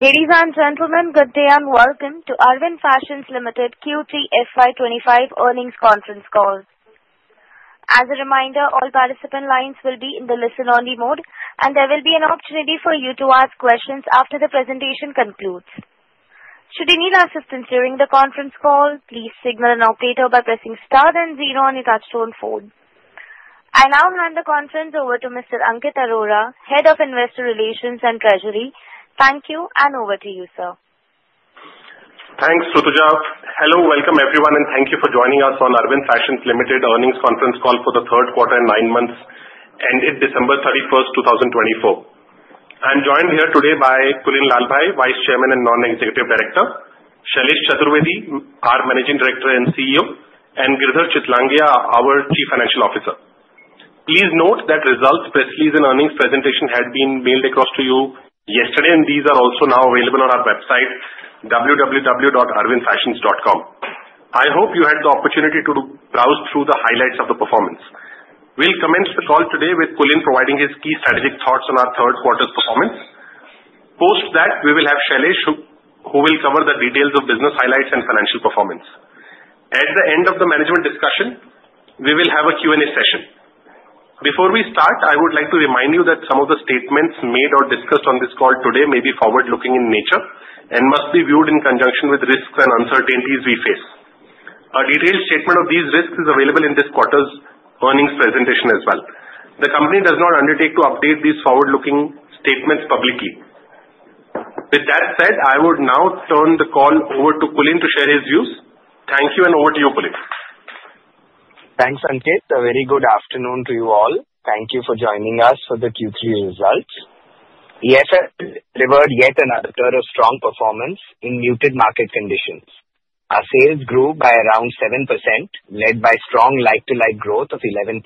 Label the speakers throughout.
Speaker 1: Ladies and gentlemen, good day and welcome to Arvind Fashions Limited Q3 FY25 earnings conference call. As a reminder, all participant lines will be in the listen-only mode, and there will be an opportunity for you to ask questions after the presentation concludes. Should you need assistance during the conference call, please signal an operator by pressing star then zero on your touch-tone phone. I now hand the conference over to Mr. Ankit Arora, Head of Investor Relations and Treasury. Thank you, and over to you, sir.
Speaker 2: Thanks, Rutuja. Hello, welcome everyone, and thank you for joining us on Arvind Fashions Limited earnings conference call for the third quarter and nine months ended December 31st, 2024. I'm joined here today by Kulin Lalbhai, Vice Chairman and Non Executive Director, Shailesh Chaturvedi, our Managing Director and CEO, and Girdhar Chitlangia, our Chief Financial Officer. Please note that results, press release, and earnings presentation had been mailed across to you yesterday, and these are also now available on our website, www.arvindfashions.com. I hope you had the opportunity to browse through the highlights of the performance. We'll commence the call today with Kulin providing his key strategic thoughts on our third quarter's performance. Post that, we will have Shailesh, who will cover the details of business highlights and financial performance. At the end of the management discussion, we will have a Q&A session. Before we start, I would like to remind you that some of the statements made or discussed on this call today may be forward-looking in nature and must be viewed in conjunction with risks and uncertainties we face. A detailed statement of these risks is available in this quarter's earnings presentation as well. The company does not undertake to update these forward-looking statements publicly. With that said, I would now turn the call over to Kulin to share his views. Thank you, and over to you, Kulin.
Speaker 3: Thanks, Ankit. A very good afternoon to you all. Thank you for joining us for the Q3 results. AFL, delivered yet another strong performance in muted market conditions. Our sales grew by around 7%, led by strong like-for-like growth of 11%,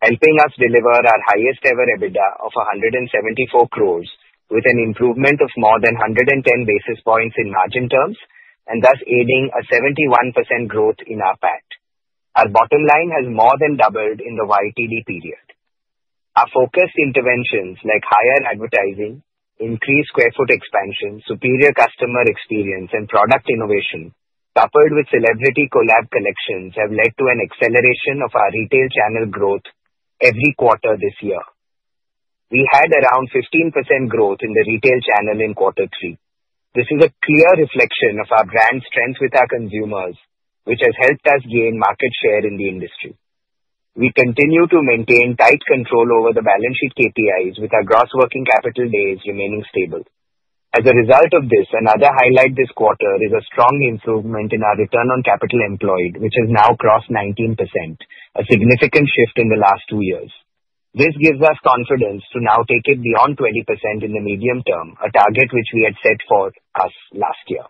Speaker 3: helping us deliver our highest-ever EBITDA of 174 crores, with an improvement of more than 110 basis points in margin terms, and thus aiding a 71% growth in our PAT. Our bottom line has more than doubled in the YTD period. Our focused interventions, like higher advertising, increased square feet expansion, superior customer experience, and product innovation, coupled with celebrity collab collections, have led to an acceleration of our retail channel growth every quarter this year. We had around 15% growth in the retail channel in quarter three. This is a clear reflection of our brand strength with our consumers, which has helped us gain market share in the industry. We continue to maintain tight control over the balance sheet KPIs, with our gross working capital days remaining stable. As a result of this, another highlight this quarter is a strong improvement in our return on capital employed, which has now crossed 19%, a significant shift in the last two years. This gives us confidence to now take it beyond 20% in the medium term, a target which we had set for us last year.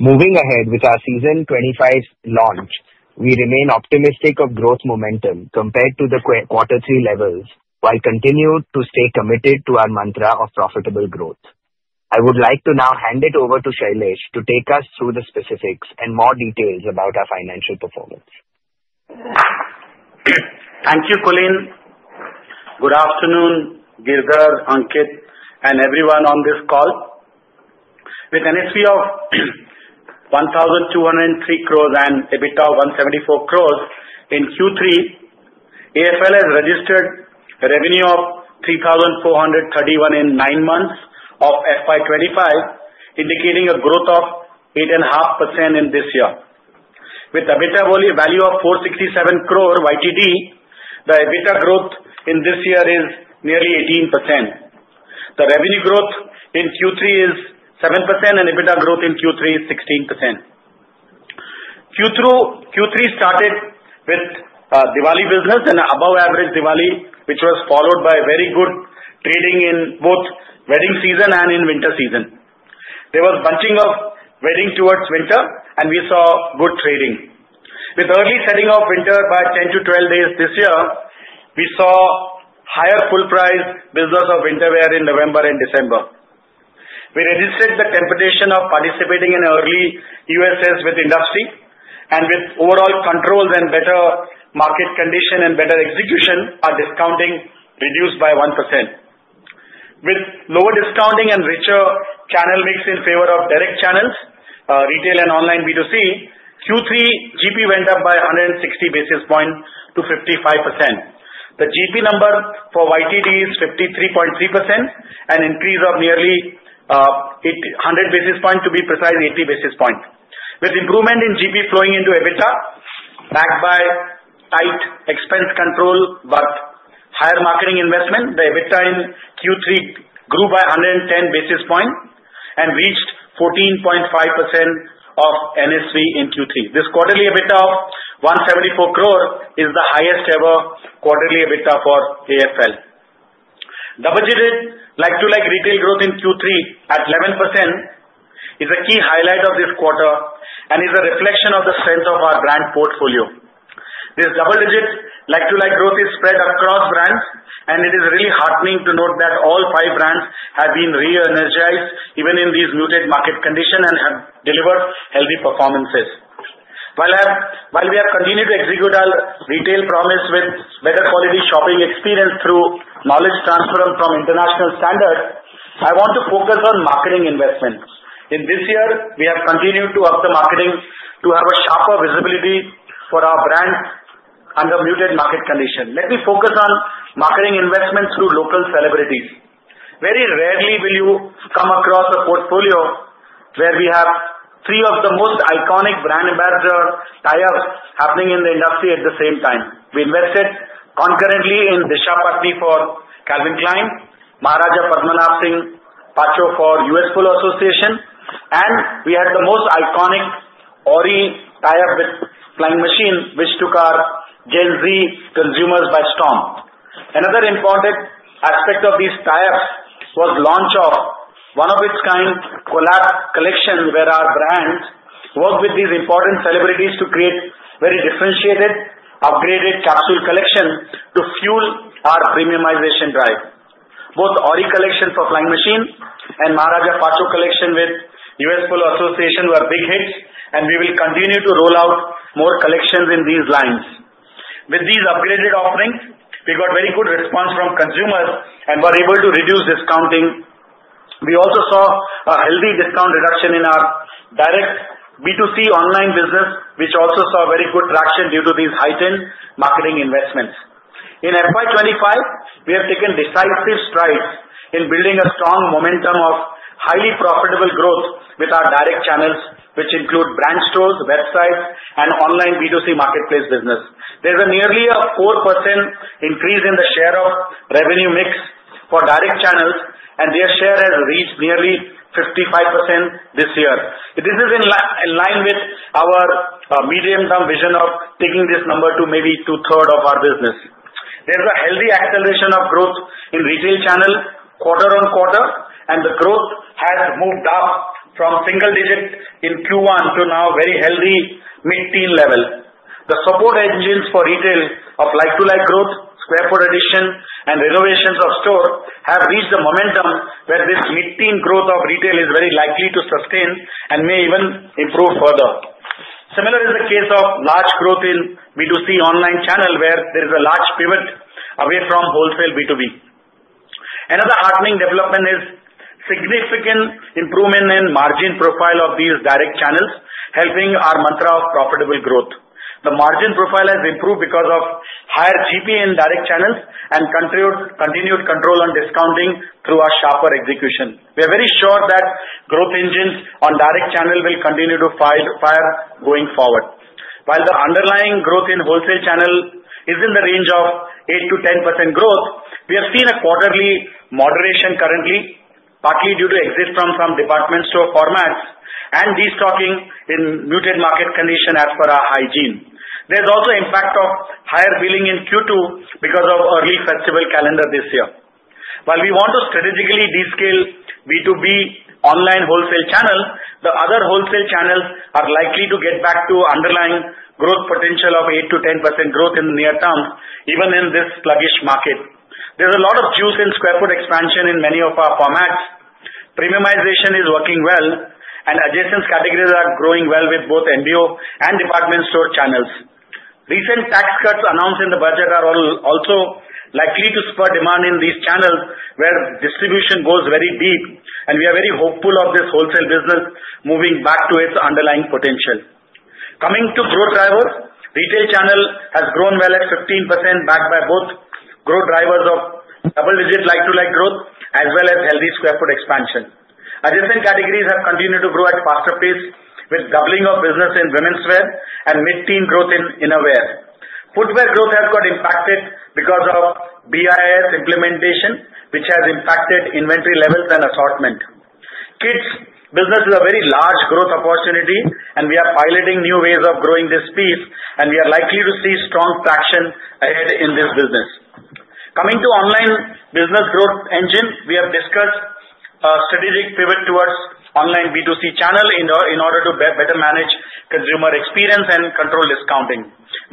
Speaker 3: Moving ahead with our Season 25 launch, we remain optimistic of growth momentum compared to the quarter three levels, while continuing to stay committed to our mantra of profitable growth. I would like to now hand it over to Shailesh to take us through the specifics and more details about our financial performance.
Speaker 4: Thank you, Kulin. Good afternoon, Girdhar, Ankit, and everyone on this call. With an NSV of 1,203 crores and EBITDA of 174 crores in Q3, AFL has registered a revenue of 3,431 in nine months of FY25, indicating a growth of 8.5% in this year. With EBITDA value of 467 crores YTD, the EBITDA growth in this year is nearly 18%. The revenue growth in Q3 is 7%, and EBITDA growth in Q3 is 16%. Q3 started with a Diwali business and an above-average Diwali, which was followed by very good trading in both wedding season and in winter season. There was bunching of wedding towards winter, and we saw good trading. With early setting of winter by 10-12 days this year, we saw higher full-price business of winter wear in November and December. We resisted the temptation of participating in early EOSS with industry, and with overall controls and better market condition and better execution, our discounting reduced by 1%. With lower discounting and richer channel mix in favor of direct channels, retail and online B2C, Q3 GP went up by 160 basis points to 55%. The GP number for YTD is 53.3%, an increase of nearly 100 basis points, to be precise 80 basis points. With improvement in GP flowing into EBITDA, backed by tight expense control but higher marketing investment, the EBITDA in Q3 grew by 110 basis points and reached 14.5% of NSV in Q3. This quarterly EBITDA of 174 crores is the highest-ever quarterly EBITDA for AFL. Double-digit like-for-like retail growth in Q3 at 11% is a key highlight of this quarter and is a reflection of the strength of our brand portfolio. This double-digit like-for-like growth is spread across brands, and it is really heartening to note that all five brands have been re-energized even in these muted market conditions and have delivered healthy performances. While we have continued to execute our retail promise with better quality shopping experience through knowledge transfer from international standards, I want to focus on marketing investment. In this year, we have continued to up the marketing to have a sharper visibility for our brands under muted market conditions. Let me focus on marketing investments through local celebrities. Very rarely will you come across a portfolio where we have three of the most iconic brand ambassador tie-ups happening in the industry at the same time. We invested concurrently in Disha Patani for Calvin Klein, Maharaja Padmanabh Singh, Pacho for US Polo Association, and we had the most iconic Orry tie-up with Flying Machine, which took our Gen Z consumers by storm. Another important aspect of these tie-ups was the launch of one-of-a-kind collab collection where our brands work with these important celebrities to create very differentiated, upgraded capsule collections to fuel our premiumization drive. Both Orry collection for Flying Machine and Maharaja Pacho collection with US Polo Association were big hits, and we will continue to roll out more collections in these lines. With these upgraded offerings, we got very good response from consumers and were able to reduce discounting. We also saw a healthy discount reduction in our direct B2C online business, which also saw very good traction due to these heightened marketing investments. In FY25, we have taken decisive strides in building a strong momentum of highly profitable growth with our direct channels, which include brand stores, websites, and online B2C marketplace business. There's nearly a 4% increase in the share of revenue mix for direct channels, and their share has reached nearly 55% this year. This is in line with our medium-term vision of taking this number to maybe two-thirds of our business. There's a healthy acceleration of growth in retail channel quarter-on-quarter, and the growth has moved up from single digit in Q1 to now a very healthy mid-teen level. The support engines for retail of like-for-like growth, square foot addition, and renovations of store have reached a momentum where this mid-teen growth of retail is very likely to sustain and may even improve further. Similar is the case of large growth in B2C online channel where there is a large pivot away from wholesale B2B. Another heartening development is significant improvement in margin profile of these direct channels, helping our mantra of profitable growth. The margin profile has improved because of higher GP in direct channels and continued control on discounting through our sharper execution. We are very sure that growth engines on direct channel will continue to fire going forward. While the underlying growth in wholesale channel is in the range of 8%-10% growth, we have seen a quarterly moderation currently, partly due to exit from some department store formats and destocking in muted market conditions as per our hygiene. There's also an impact of higher billing in Q2 because of early festival calendar this year. While we want to strategically descale B2B online wholesale channel, the other wholesale channels are likely to get back to underlying growth potential of 8%-10% growth in the near term, even in this sluggish market. There's a lot of juice in square foot expansion in many of our formats. Premiumization is working well, and adjacent categories are growing well with both MBO and department store channels. Recent tax cuts announced in the budget are also likely to spur demand in these channels where distribution goes very deep, and we are very hopeful of this wholesale business moving back to its underlying potential. Coming to growth drivers, retail channel has grown well at 15% backed by both growth drivers of double-digit like-for-like growth as well as healthy square foot expansion. Adjacent categories have continued to grow at a faster pace with doubling of business in women's wear and mid-teen growth in innerwear. Footwear growth has got impacted because of BIS implementation, which has impacted inventory levels and assortment. Kids business is a very large growth opportunity, and we are piloting new ways of growing this piece, and we are likely to see strong traction ahead in this business. Coming to online business growth engine, we have discussed a strategic pivot towards online B2C channel in order to better manage consumer experience and control discounting.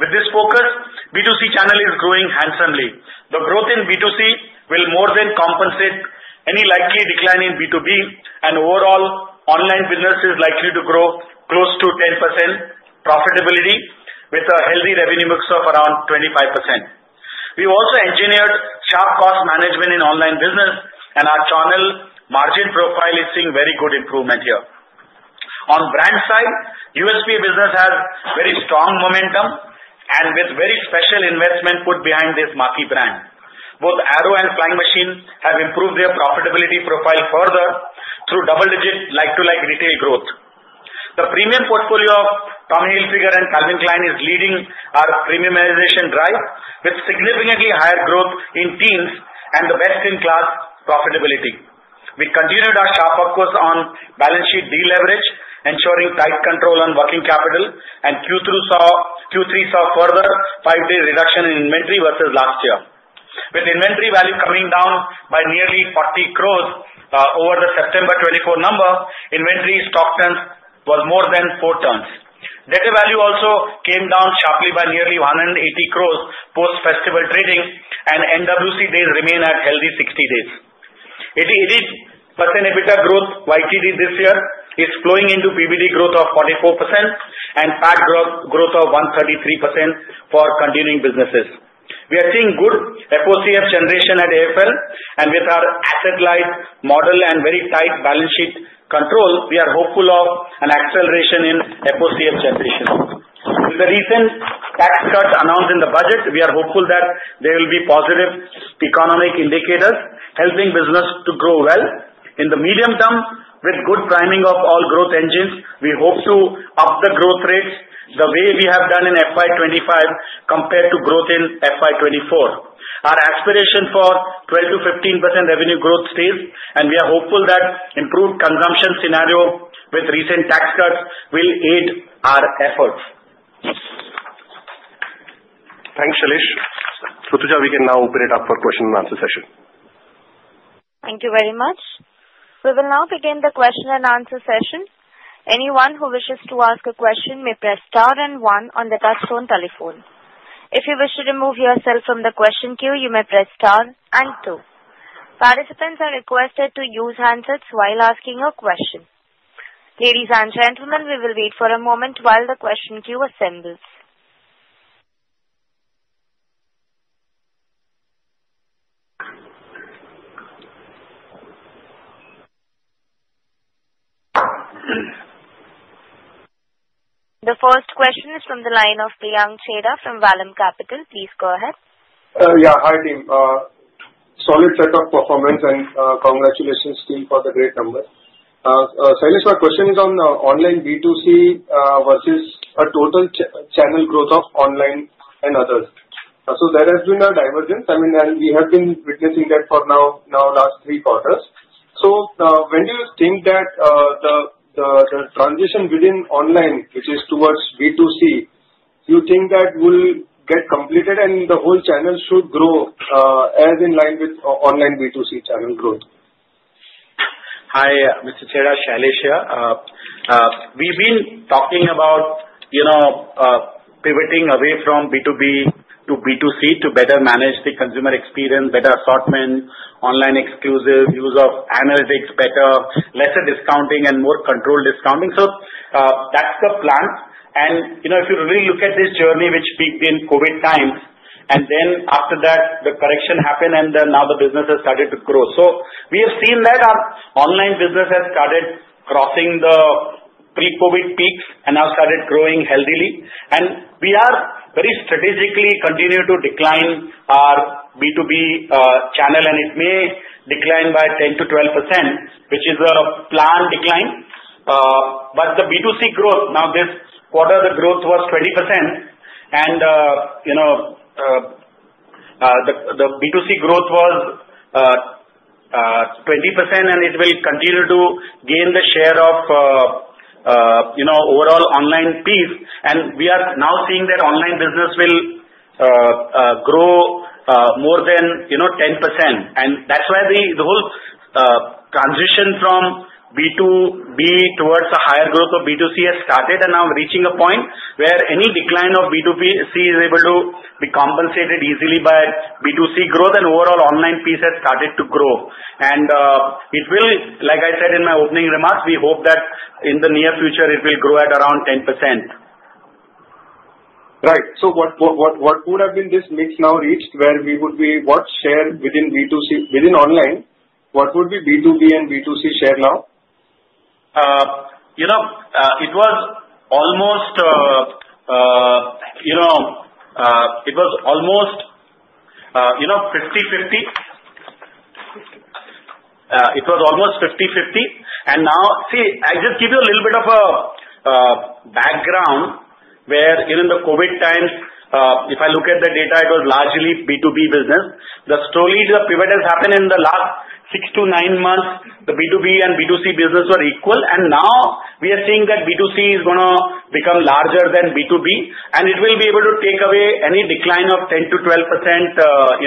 Speaker 4: With this focus, B2C channel is growing handsomely. The growth in B2C will more than compensate any likely decline in B2B, and overall online business is likely to grow close to 10% profitability with a healthy revenue mix of around 25%. We also engineered sharp cost management in online business, and our channel margin profile is seeing very good improvement here. On brand side, US Polo Assn. business has very strong momentum and with very special investment put behind this marquee brand. Both Arrow and Flying Machine have improved their profitability profile further through double-digit like-for-like retail growth. The premium portfolio of Tommy Hilfiger and Calvin Klein is leading our premiumization drive with significantly higher growth in teens and the best-in-class profitability. We continued our sharp focus on balance sheet de-leverage, ensuring tight control on working capital, and Q3 saw further five-day reduction in inventory versus last year. With inventory value coming down by nearly 40 crores over the September 2024 number, inventory stock turns was more than four turns. Debt value also came down sharply by nearly 180 crores post-festival trading, and NWC days remain at healthy 60 days. 88% EBITDA growth YTD this year is flowing into PBT growth of 44% and PAT growth of 133% for continuing businesses. We are seeing good FOCF generation at AFL, and with our asset-light model and very tight balance sheet control, we are hopeful of an acceleration in FOCF generation. With the recent tax cuts announced in the budget, we are hopeful that there will be positive economic indicators helping business to grow well. In the medium term, with good priming of all growth engines, we hope to up the growth rates the way we have done in FY25 compared to growth in FY24. Our aspiration for 12%-15% revenue growth stays, and we are hopeful that improved consumption scenario with recent tax cuts will aid our efforts.
Speaker 2: Thanks, Shailesh. So, Rutuja, we can now open it up for question and answer session.
Speaker 1: Thank you very much. We will now begin the question and answer session. Anyone who wishes to ask a question may press star and one on the touch-tone telephone. If you wish to remove yourself from the question queue, you may press star and two. Participants are requested to use handsets while asking a question. Ladies and gentlemen, we will wait for a moment while the question queue assembles. The first question is from the line of Priyank Chheda from Vallum Capital. Please go ahead.
Speaker 5: Yeah, hi team. Solid set of performance, and congratulations team for the great number. Shailesh, my question is on the online B2C versus a total channel growth of online and others. So there has been a divergence. I mean, and we have been witnessing that for now last three quarters. So when do you think that the transition within online, which is towards B2C, you think that will get completed and the whole channel should grow as in line with online B2C channel growth?
Speaker 4: Hi, Mr. Chheda, Shailesh here. We've been talking about pivoting away from B2B to B2C to better manage the consumer experience, better assortment, online exclusive use of analytics, better, lesser discounting, and more controlled discounting. So that's the plan. And if you really look at this journey, which peaked in COVID times, and then after that, the correction happened, and now the business has started to grow. So we have seen that our online business has started crossing the pre-COVID peaks and now started growing healthily. And we are very strategically continuing to decline our B2B channel, and it may decline by 10%-12%, which is a planned decline. But the B2C growth, now this quarter, the growth was 20%, and the B2C growth was 20%, and it will continue to gain the share of overall online pie. We are now seeing that online business will grow more than 10%. That's why the whole transition from B2B towards a higher growth of B2C has started, and now reaching a point where any decline of B2C is able to be compensated easily by B2C growth, and overall online piece has started to grow. It will, like I said in my opening remarks, we hope that in the near future, it will grow at around 10%.
Speaker 5: Right. So what would have been this mix now reached where we would be what share within B2C, within online, what would be B2B and B2C share now?
Speaker 4: It was almost 50/50. It was almost 50/50. And now, see, I'll just give you a little bit of a background where in the COVID times, if I look at the data, it was largely B2B business. The pivot has happened in the last six to nine months. The B2B and B2C business were equal, and now we are seeing that B2C is going to become larger than B2B, and it will be able to take away any decline of 10%-12%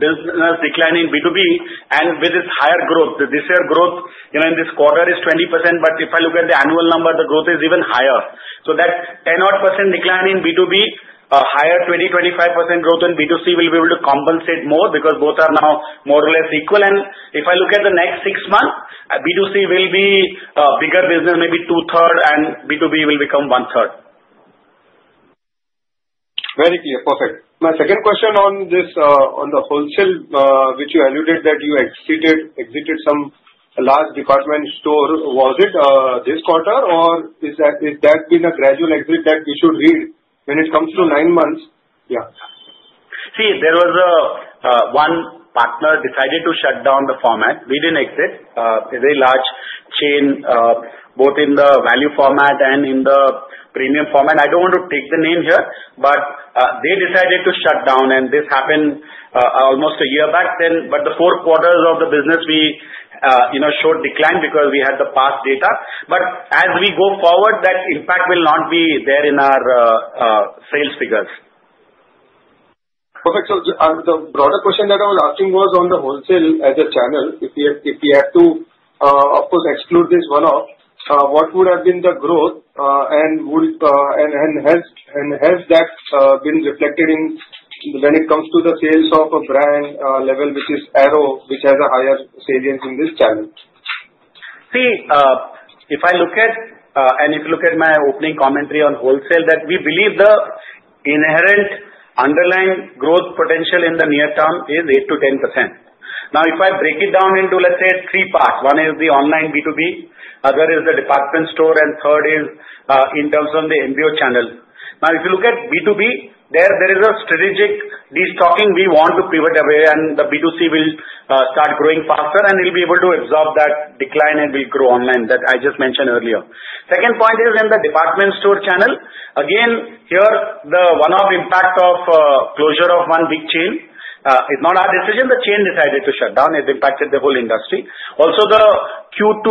Speaker 4: business decline in B2B. And with this higher growth, this year growth in this quarter is 20%, but if I look at the annual number, the growth is even higher. So that 10% or 10% decline in B2B, higher 20%-25% growth in B2C will be able to compensate more because both are now more or less equal. If I look at the next six months, B2C will be a bigger business, maybe two-thirds, and B2B will become one-third.
Speaker 5: Very clear. Perfect. My second question on the wholesale, which you alluded to, you exited some large department store, was it this quarter, or has that been a gradual exit that we should read when it comes to nine months? Yeah.
Speaker 4: See, there was one partner decided to shut down the format. We didn't exit. It's a very large chain, both in the value format and in the premium format. I don't want to take the name here, but they decided to shut down, and this happened almost a year back then. But the four quarters of the business we showed decline because we had the past data. But as we go forward, that impact will not be there in our sales figures.
Speaker 5: Perfect. So the broader question that I was asking was on the wholesale as a channel. If we had to, of course, exclude this one-off, what would have been the growth, and has that been reflected when it comes to the sales of a brand level, which is Arrow, which has a higher salience in this channel?
Speaker 4: See, if I look at, and if you look at my opening commentary on wholesale, that we believe the inherent underlying growth potential in the near term is 8%-10%. Now, if I break it down into, let's say, three parts. One is the online B2B, other is the department store, and third is in terms of the MBO channel. Now, if you look at B2B, there is a strategic destocking we want to pivot away, and the B2C will start growing faster, and it will be able to absorb that decline and will grow online that I just mentioned earlier. Second point is in the department store channel. Again, here, the one-off impact of closure of one big chain is not our decision. The chain decided to shut down. It impacted the whole industry. Also, the Q2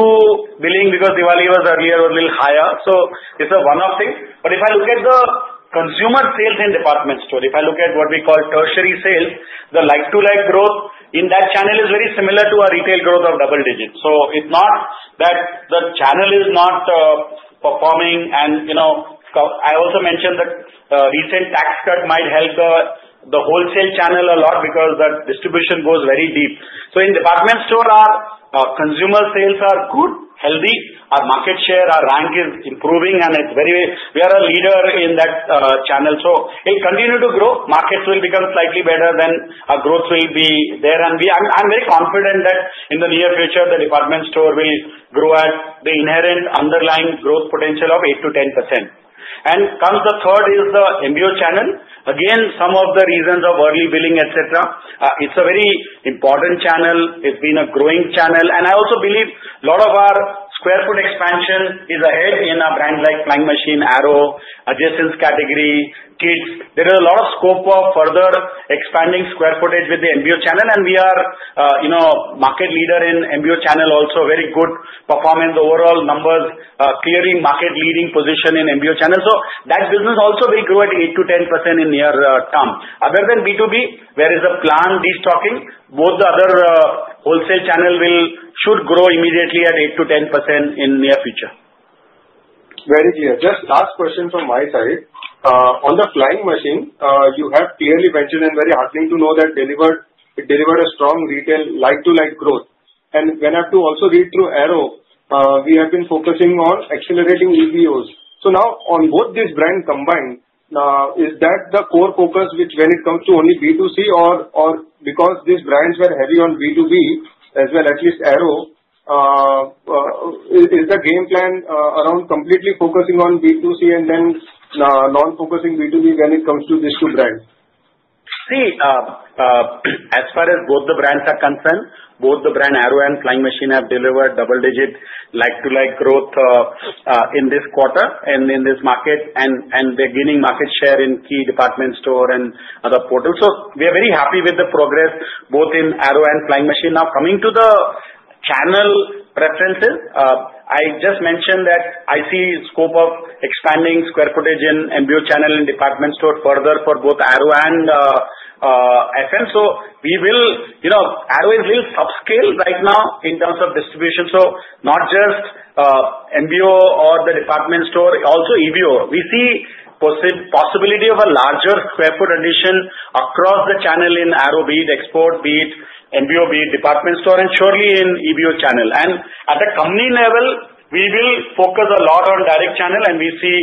Speaker 4: billing, because Diwali was earlier, was a little higher. So it's a one-off thing. But if I look at the consumer sales in department store, if I look at what we call tertiary sales, the like-for-like growth in that channel is very similar to our retail growth of double digits. So it's not that the channel is not performing. And I also mentioned that recent tax cut might help the wholesale channel a lot because that distribution goes very deep. So in department store, our consumer sales are good, healthy. Our market share, our rank is improving, and we are a leader in that channel. So it continued to grow. Markets will become slightly better, then our growth will be there. And I'm very confident that in the near future, the department store will grow at the inherent underlying growth potential of 8%-10%. And the third is the MBO channel. Again, some of the reasons of early billing, etc. It's a very important channel. It's been a growing channel. And I also believe a lot of our square foot expansion is ahead in a brand like Flying Machine, Arrow, adjacent category, kids. There is a lot of scope of further expanding square footage with the MBO channel, and we are market leader in MBO channel, also very good performance. The overall numbers clearly market leading position in MBO channel. So that business also will grow at 8%-10% in near term. Other than B2B, there is a planned destocking. Both the other wholesale channel should grow immediately at 8%-10% in near future.
Speaker 5: Very clear. Just last question from my side. On the Flying Machine, you have clearly mentioned and very heartening to know that it delivered a strong retail like-for-like growth. And when I have to also read through Arrow, we have been focusing on accelerating EBOs. So now, on both these brands combined, is that the core focus when it comes to only B2C, or because these brands were heavy on B2B as well, at least Arrow, is the game plan around completely focusing on B2C and then non-focusing B2B when it comes to these two brands?
Speaker 4: See, as far as both the brands are concerned, both the brand Arrow and Flying Machine have delivered double-digit like-for-like growth in this quarter and in this market and gaining market share in key department store and other portals. So we are very happy with the progress both in Arrow and Flying Machine. Now, coming to the channel preferences, I just mentioned that I see scope of expanding square footage in MBO channel and department store further for both Arrow and FM. So Arrow is a little subscale right now in terms of distribution. So not just MBO or the department store, also EBO. We see possibility of a larger square foot addition across the channel in Arrow, be it export, be it MBO, be it department store, and surely in EBO channel. And at the company level, we will focus a lot on direct channel, and we see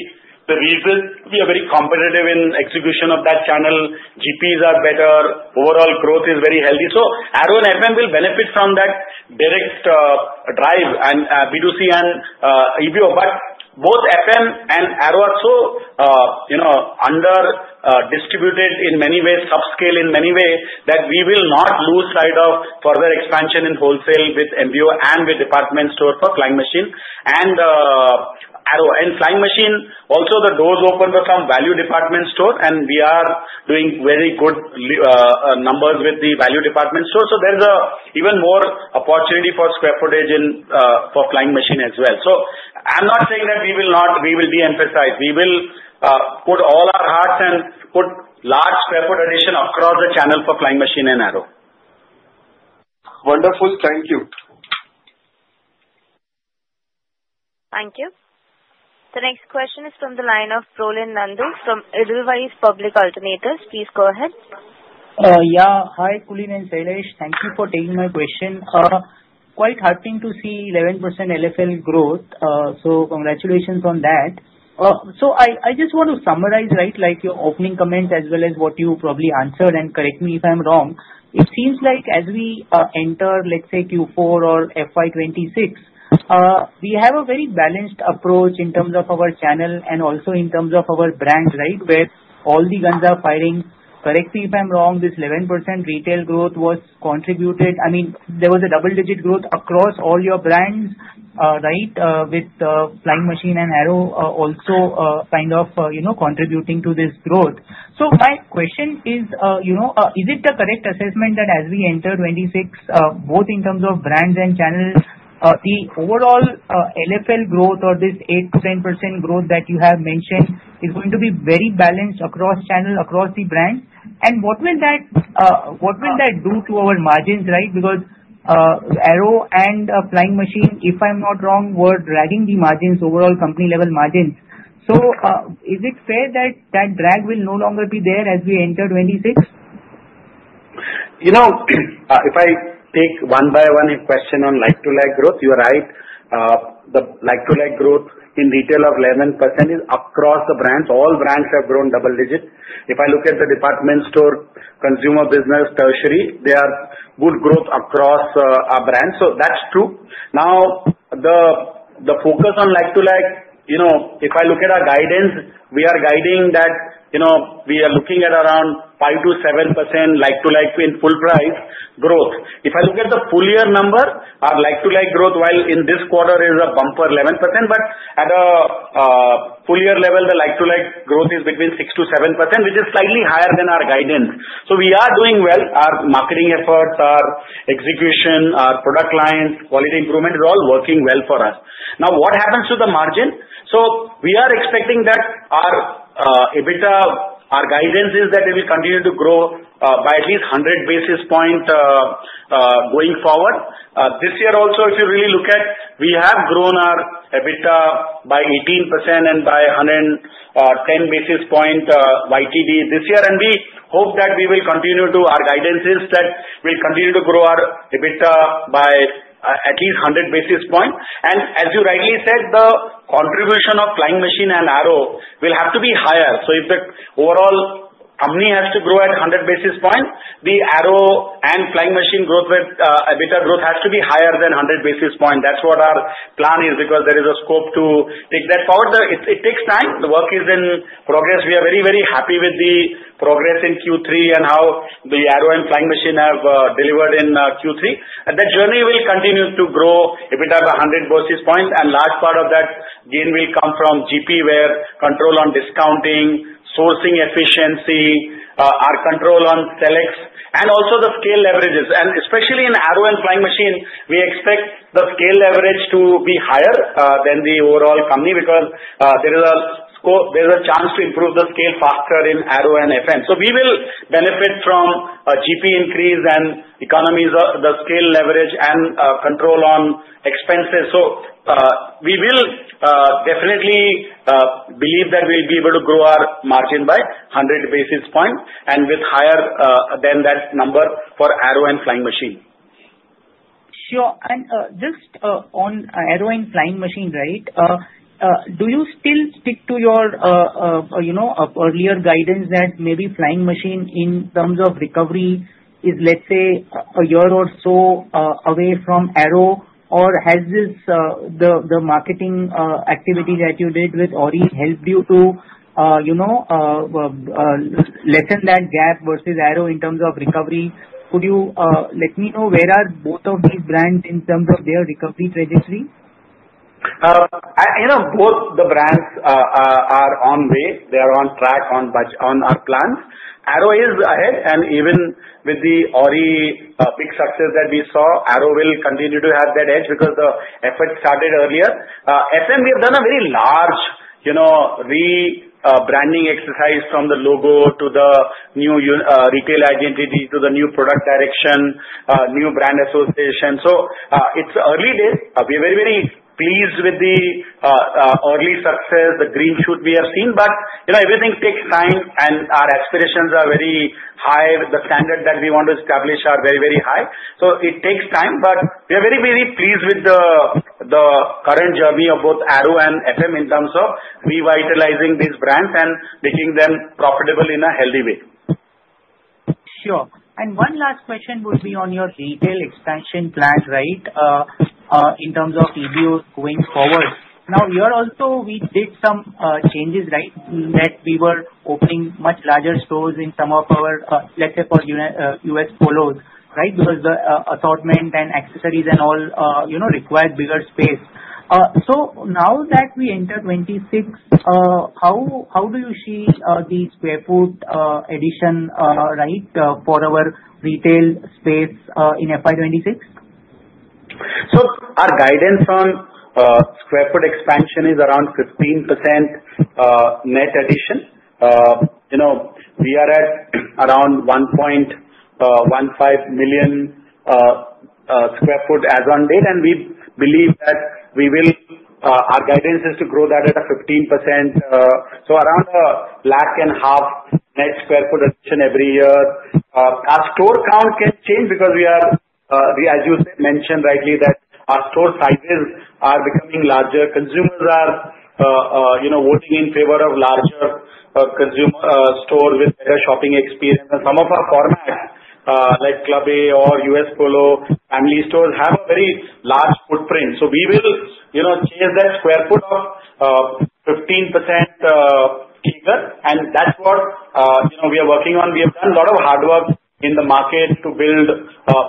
Speaker 4: the reason we are very competitive in execution of that channel. GPs are better. Overall growth is very healthy, so Arrow and FM will benefit from that direct drive and B2C and EBO. But both FM and Arrow are so under-distributed in many ways, subscale in many ways, that we will not lose sight of further expansion in wholesale with MBO and with department store for Flying Machine and Arrow. And Flying Machine, also the doors opened for some value department store, and we are doing very good numbers with the value department store, so there's even more opportunity for square footage for Flying Machine as well. I'm not saying that we will not, we will de-emphasize. We will put all our hearts and put large square feet addition across the channel for Flying Machine and Arrow.
Speaker 5: Wonderful. Thank you.
Speaker 1: Thank you. The next question is from the line of Prolin Nandu from Edelweiss Public Alternatives. Please go ahead.
Speaker 6: Yeah. Hi, Kulin and Shailesh. Thank you for taking my question. Quite heartening to see 11% LFL growth. So congratulations on that. So I just want to summarize, right, like your opening comments as well as what you probably answered, and correct me if I'm wrong. It seems like as we enter, let's say, Q4 or FY26, we have a very balanced approach in terms of our channel and also in terms of our brand, right, where all the guns are firing. Correct me if I'm wrong. This 11% retail growth was contributed. I mean, there was a double-digit growth across all your brands, right, with Flying Machine and Arrow also kind of contributing to this growth. So my question is, is it the correct assessment that as we enter 26, both in terms of brands and channels, the overall LFL growth or this 8% growth that you have mentioned is going to be very balanced across channel, across the brands? And what will that do to our margins, right? Because Arrow and Flying Machine, if I'm not wrong, were dragging the margins, overall company-level margins. So is it fair that that drag will no longer be there as we enter 26?
Speaker 4: You know, if I take one by one a question on like-for-like growth, you are right. The like-for-like growth in retail of 11% is across the brands. All brands have grown double digits. If I look at the department store, consumer business, tertiary, there are good growth across our brands. So that's true. Now, the focus on like-for-like, if I look at our guidance, we are guiding that we are looking at around 5%-7% like-for-like in full price growth. If I look at the full year number, our like-for-like growth while in this quarter is a bumper 11%. But at a full year level, the like-for-like growth is between 6% - 7%, which is slightly higher than our guidance. So we are doing well. Our marketing efforts, our execution, our product lines, quality improvement is all working well for us. Now, what happens to the margin? So we are expecting that our EBITDA, our guidance is that it will continue to grow by at least 100 basis points going forward. This year also, if you really look at, we have grown our EBITDA by 18% and by 110 basis points YTD this year. And we hope that we will continue to, our guidance is that we'll continue to grow our EBITDA by at least 100 basis points. And as you rightly said, the contribution of Flying Machine and Arrow will have to be higher. So if the overall company has to grow at 100 basis points, the Arrow and Flying Machine growth with EBITDA growth has to be higher than 100 basis points. That's what our plan is because there is a scope to take that forward. It takes time. The work is in progress. We are very, very happy with the progress in Q3 and how the Arrow and Flying Machine have delivered in Q3, and that journey will continue to grow EBITDA by 100 basis points, and a large part of that gain will come from GP where control on discounting, sourcing efficiency, our control on selects, and also the scale leverages, and especially in Arrow and Flying Machine, we expect the scale leverage to be higher than the overall company because there is a chance to improve the scale faster in Arrow and FM, so we will benefit from a GP increase and economies, the scale leverage, and control on expenses, so we will definitely believe that we'll be able to grow our margin by 100 basis points and with higher than that number for Arrow and Flying Machine.
Speaker 6: Sure. And just on Arrow and Flying Machine, right, do you still stick to your earlier guidance that maybe Flying Machine in terms of recovery is, let's say, a year or so away from Arrow, or has the marketing activity that you did with Orry helped you to lessen that gap versus Arrow in terms of recovery? Could you let me know where are both of these brands in terms of their recovery trajectory?
Speaker 2: You know, both the brands are on the way. They are on track, on our plans. Arrow is ahead, and even with the Orry big success that we saw, Arrow will continue to have that edge because the effort started earlier. FM, we have done a very large rebranding exercise from the logo to the new retail identity to the new product direction, new brand association, so it's early days. We are very, very pleased with the early success, the green shoot we have seen, but everything takes time, and our aspirations are very high. The standard that we want to establish are very, very high, so it takes time, but we are very, very pleased with the current journey of both Arrow and FM in terms of revitalizing these brands and making them profitable in a healthy way.
Speaker 6: Sure. And one last question would be on your retail expansion plan, right, in terms of EBOs going forward. Now, we also did some changes, right, that we were opening much larger stores in some of our, let's say, for U.S. followers, right, because the assortment and accessories and all require bigger space. So now that we enter 26, how do you see the square feet addition, right, for our retail space in FY26?
Speaker 4: So our guidance on square foot expansion is around 15% net addition. We are at around 1.15 million square feet as on date. And we believe that we will, our guidance is to grow that at a 15%. So around a lakh and a half net square feet addition every year. Our store count can change because we are, as you mentioned rightly, that our store sizes are becoming larger. Consumers are voting in favor of larger consumer stores with better shopping experience. And some of our formats, like Club A or US Polo, family stores have a very large footprint. So we will chase that square foot of 15% figure. And that's what we are working on. We have done a lot of hard work in the market to build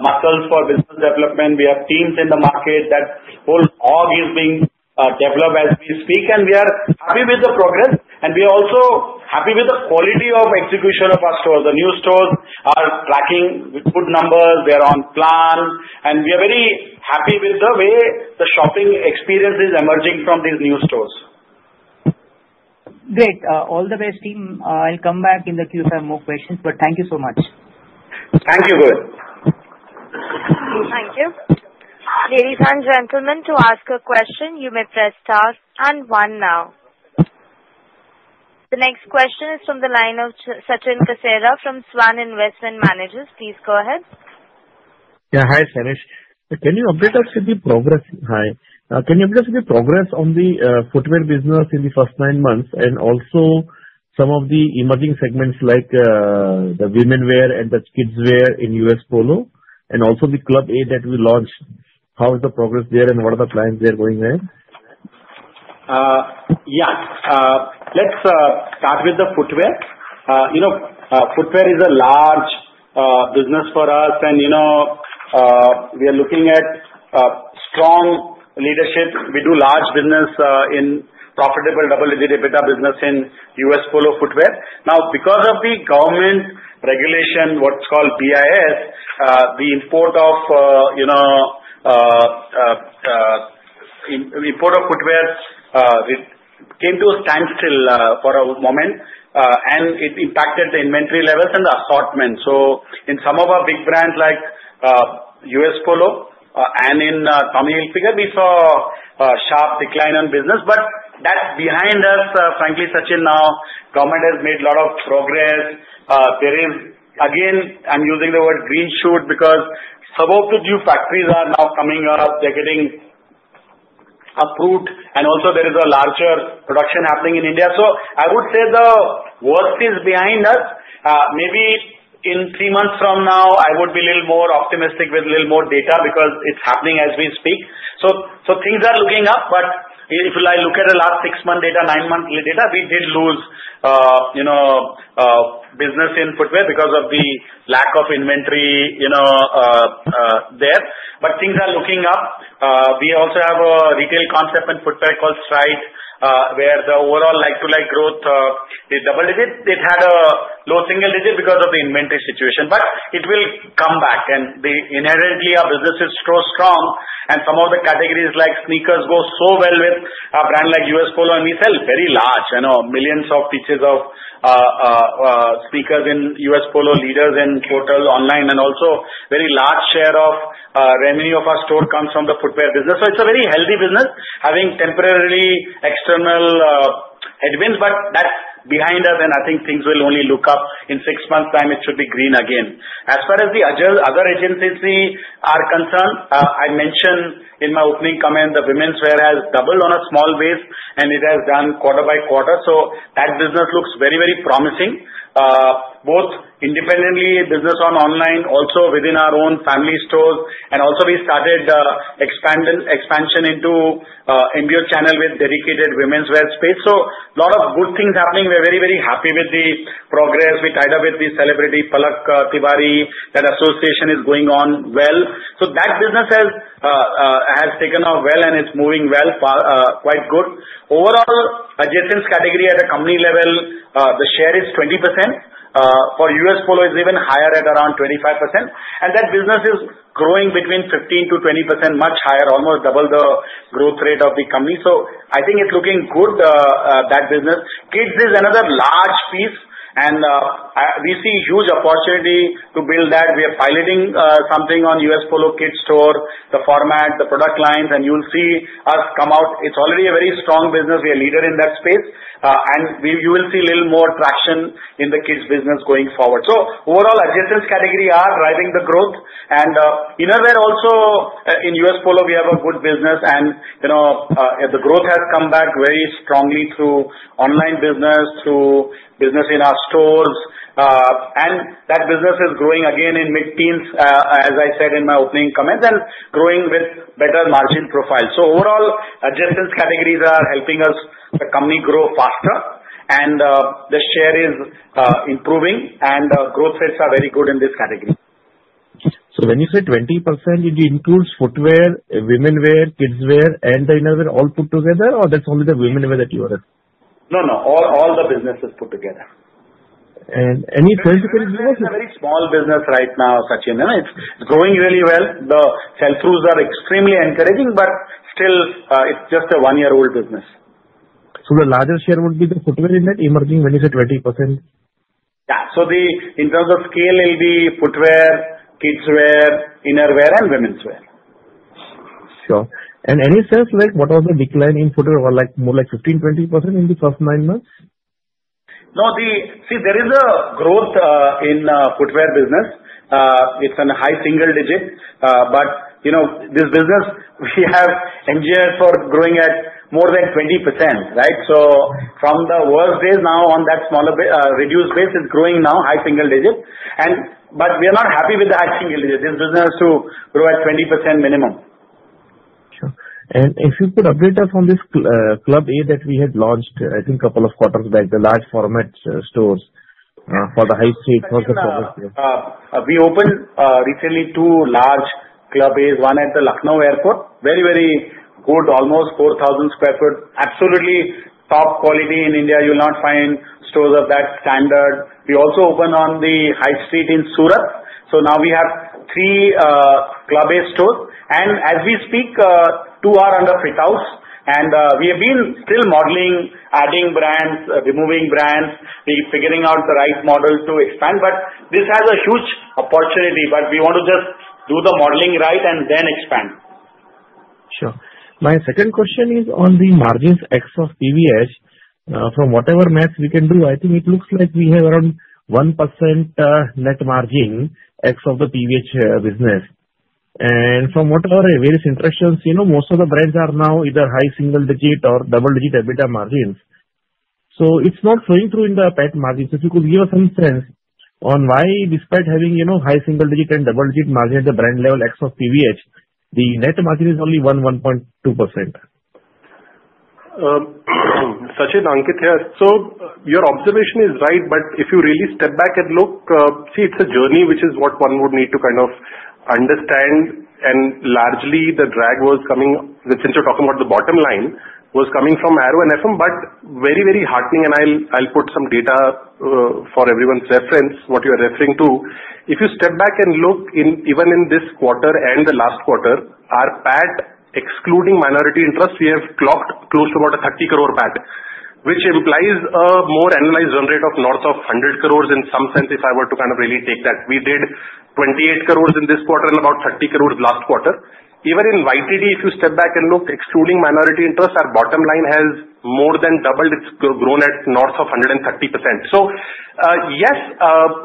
Speaker 4: muscles for business development. We have teams in the market that whole org is being developed as we speak. We are happy with the progress. We are also happy with the quality of execution of our stores. The new stores are tracking with good numbers. They are on plan. We are very happy with the way the shopping experience is emerging from these new stores.
Speaker 6: Great. All the best, team. I'll come back in the queue for more questions. But thank you so much.
Speaker 4: Thank you, Prolin.
Speaker 1: Thank you. Ladies and gentlemen, to ask a question, you may press star and one now. The next question is from the line of Sachin Kasera from SVAN Investment Managers. Please go ahead.
Speaker 7: Yeah. Hi, Shailesh. Can you update us with the progress? Hi. Can you update us with the progress on the footwear business in the first nine months and also some of the emerging segments like the women's wear and the kids wear in US Polo and also the Club A that we launched? How is the progress there and what are the plans there going ahead?
Speaker 4: Yeah. Let's start with the footwear. Footwear is a large business for us. And we are looking at strong leadership. We do large business in profitable double-digit EBITDA business in US Polo footwear. Now, because of the government regulation, what's called BIS, the import of footwear came to a standstill for a moment, and it impacted the inventory levels and the assortment. So in some of our big brands like US. Polo and in Tommy Hilfiger, we saw a sharp decline in business. But that's behind us, frankly, Sachin. Now, government has made a lot of progress. There is, again, I'm using the word green shoots because set up two new factories are now coming up. They're getting approved. And also, there is a larger production happening in India. So I would say the worst is behind us. Maybe in three months from now, I would be a little more optimistic with a little more data because it's happening as we speak, so things are looking up, but if I look at the last six-month data, nine-month data, we did lose business in footwear because of the lack of inventory there, but things are looking up. We also have a retail concept and footwear called Stride, where the overall like-for-like growth is double-digit. It had a low single digit because of the inventory situation, but it will come back, and inherently, our business is so strong, and some of the categories like sneakers go so well with a brand like US Polo, and we sell very large, millions of pieces of sneakers in US Polo ladies and portal online, and also, a very large share of revenue of our store comes from the footwear business. It's a very healthy business, having temporarily external headwinds. But that's behind us. I think things will only look up. In six months' time, it should be green again. As far as the other agencies are concerned, I mentioned in my opening comment, the women's wear has doubled on a small base, and it has done quarter by quarter. That business looks very, very promising, both independently business online, also within our own family stores. We started expansion into MBO channel with dedicated women's wear space. A lot of good things happening. We are very, very happy with the progress. We tied up with the celebrity Palak Tiwari. That association is going on well. That business has taken off well and is moving well, quite good. Overall, adjacency category at a company level, the share is 20%. For US Polo, it's even higher at around 25%. And that business is growing between 15%-20%, much higher, almost double the growth rate of the company. So I think it's looking good, that business. Kids is another large piece. And we see huge opportunity to build that. We are piloting something on US Polo kids store, the format, the product lines. And you'll see us come out. It's already a very strong business. We are a leader in that space. And you will see a little more traction in the kids business going forward. So overall, adjacency categories are driving the growth. And innerwear also in US Polo, we have a good business. And the growth has come back very strongly through online business, through business in our stores. That business is growing again in mid-teens, as I said in my opening comments, and growing with better margin profiles. So overall, adjacency categories are helping us, the company grow faster. The share is improving. Growth rates are very good in this category.
Speaker 7: So when you say 20%, it includes footwear, women's wear, kids' wear, and the innerwear all put together, or that's only the women's wear that you are?
Speaker 4: No, no. All the business is put together.
Speaker 7: Any sales?
Speaker 4: It's a very small business right now, Sachin. It's growing really well. The sales rules are extremely encouraging. But still, it's just a one-year-old business.
Speaker 7: So the larger share would be the footwear in that emerging when you say 20%?
Speaker 4: Yeah, so in terms of scale, it'll be footwear, kids wear, innerwear, and women's wear.
Speaker 7: Sure. And any sales? What was the decline in footwear? More like 15%-20% in the first nine months?
Speaker 4: No. See, there is a growth in footwear business. It's on a high single-digit. But this business, we have enjoyed for growing at more than 20%, right? So from the worst days now on that smaller reduced base, it's growing now, high single-digit. But we are not happy with the high single-digit. This business has to grow at 20% minimum.
Speaker 7: Sure. And if you could update us on this Club A that we had launched, I think a couple of quarters back, the large format stores for the high street, what's the progress there?
Speaker 4: We opened recently two large Club As, one at the Lucknow Airport. Very, very good, almost 4,000 sq ft. Absolutely top quality in India. You'll not find stores of that standard. We also opened on the high street in Surat. So now we have three Club A stores. And as we speak, two are under fit-outs. And we have been still modeling, adding brands, removing brands, figuring out the right model to expand. But this has a huge opportunity. But we want to just do the modeling right and then expand.
Speaker 7: Sure. My second question is on the margins of PVH. From whatever math we can do, I think it looks like we have around 1% net margin of the PVH business. And from what our various interactions, most of the brands are now either high single-digit or double-digit EBITDA margins. So it's not flowing through in the net margins. If you could give us some sense on why, despite having high single-digit and double-digit margin at the brand level of PVH, the net margin is only 1-1.2%?
Speaker 2: Sachin, Ankit here. So your observation is right. But if you really step back and look, see, it's a journey, which is what one would need to kind of understand. And largely, the drag was coming, since you're talking about the bottom line, was coming from Arrow and FM. But very, very heartening, and I'll put some data for everyone's reference, what you are referring to. If you step back and look, even in this quarter and the last quarter, our PAT, excluding minority interest, we have clocked close to about a 30 crore PAT, which implies an annualized run rate of north of 100 crores in some sense, if I were to kind of really take that. We did 28 crores in this quarter and about 30 crores last quarter. Even in YTD, if you step back and look, excluding minority interest, our bottom line has more than doubled. It's grown at north of 130%. So yes,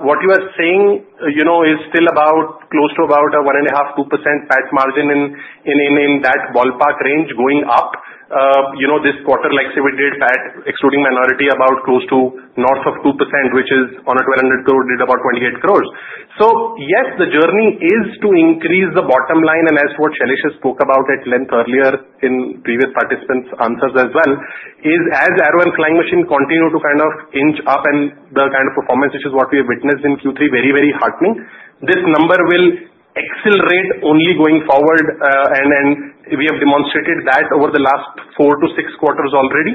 Speaker 2: what you are saying is still about close to a 1.5%-2% PAT margin in that ballpark range going up. This quarter, like Arvind PAT, excluding minority, about close to north of 2%, which is on 1,200 crore, did about 28 crore. So yes, the journey is to increase the bottom line. What Shailesh has spoken about at length earlier in previous participants' answers as well is as Arrow and Flying Machine continue to kind of inch up, and the kind of performance, which is what we have witnessed in Q3, very, very heartening. This number will accelerate only going forward. We have demonstrated that over the last four to six quarters already.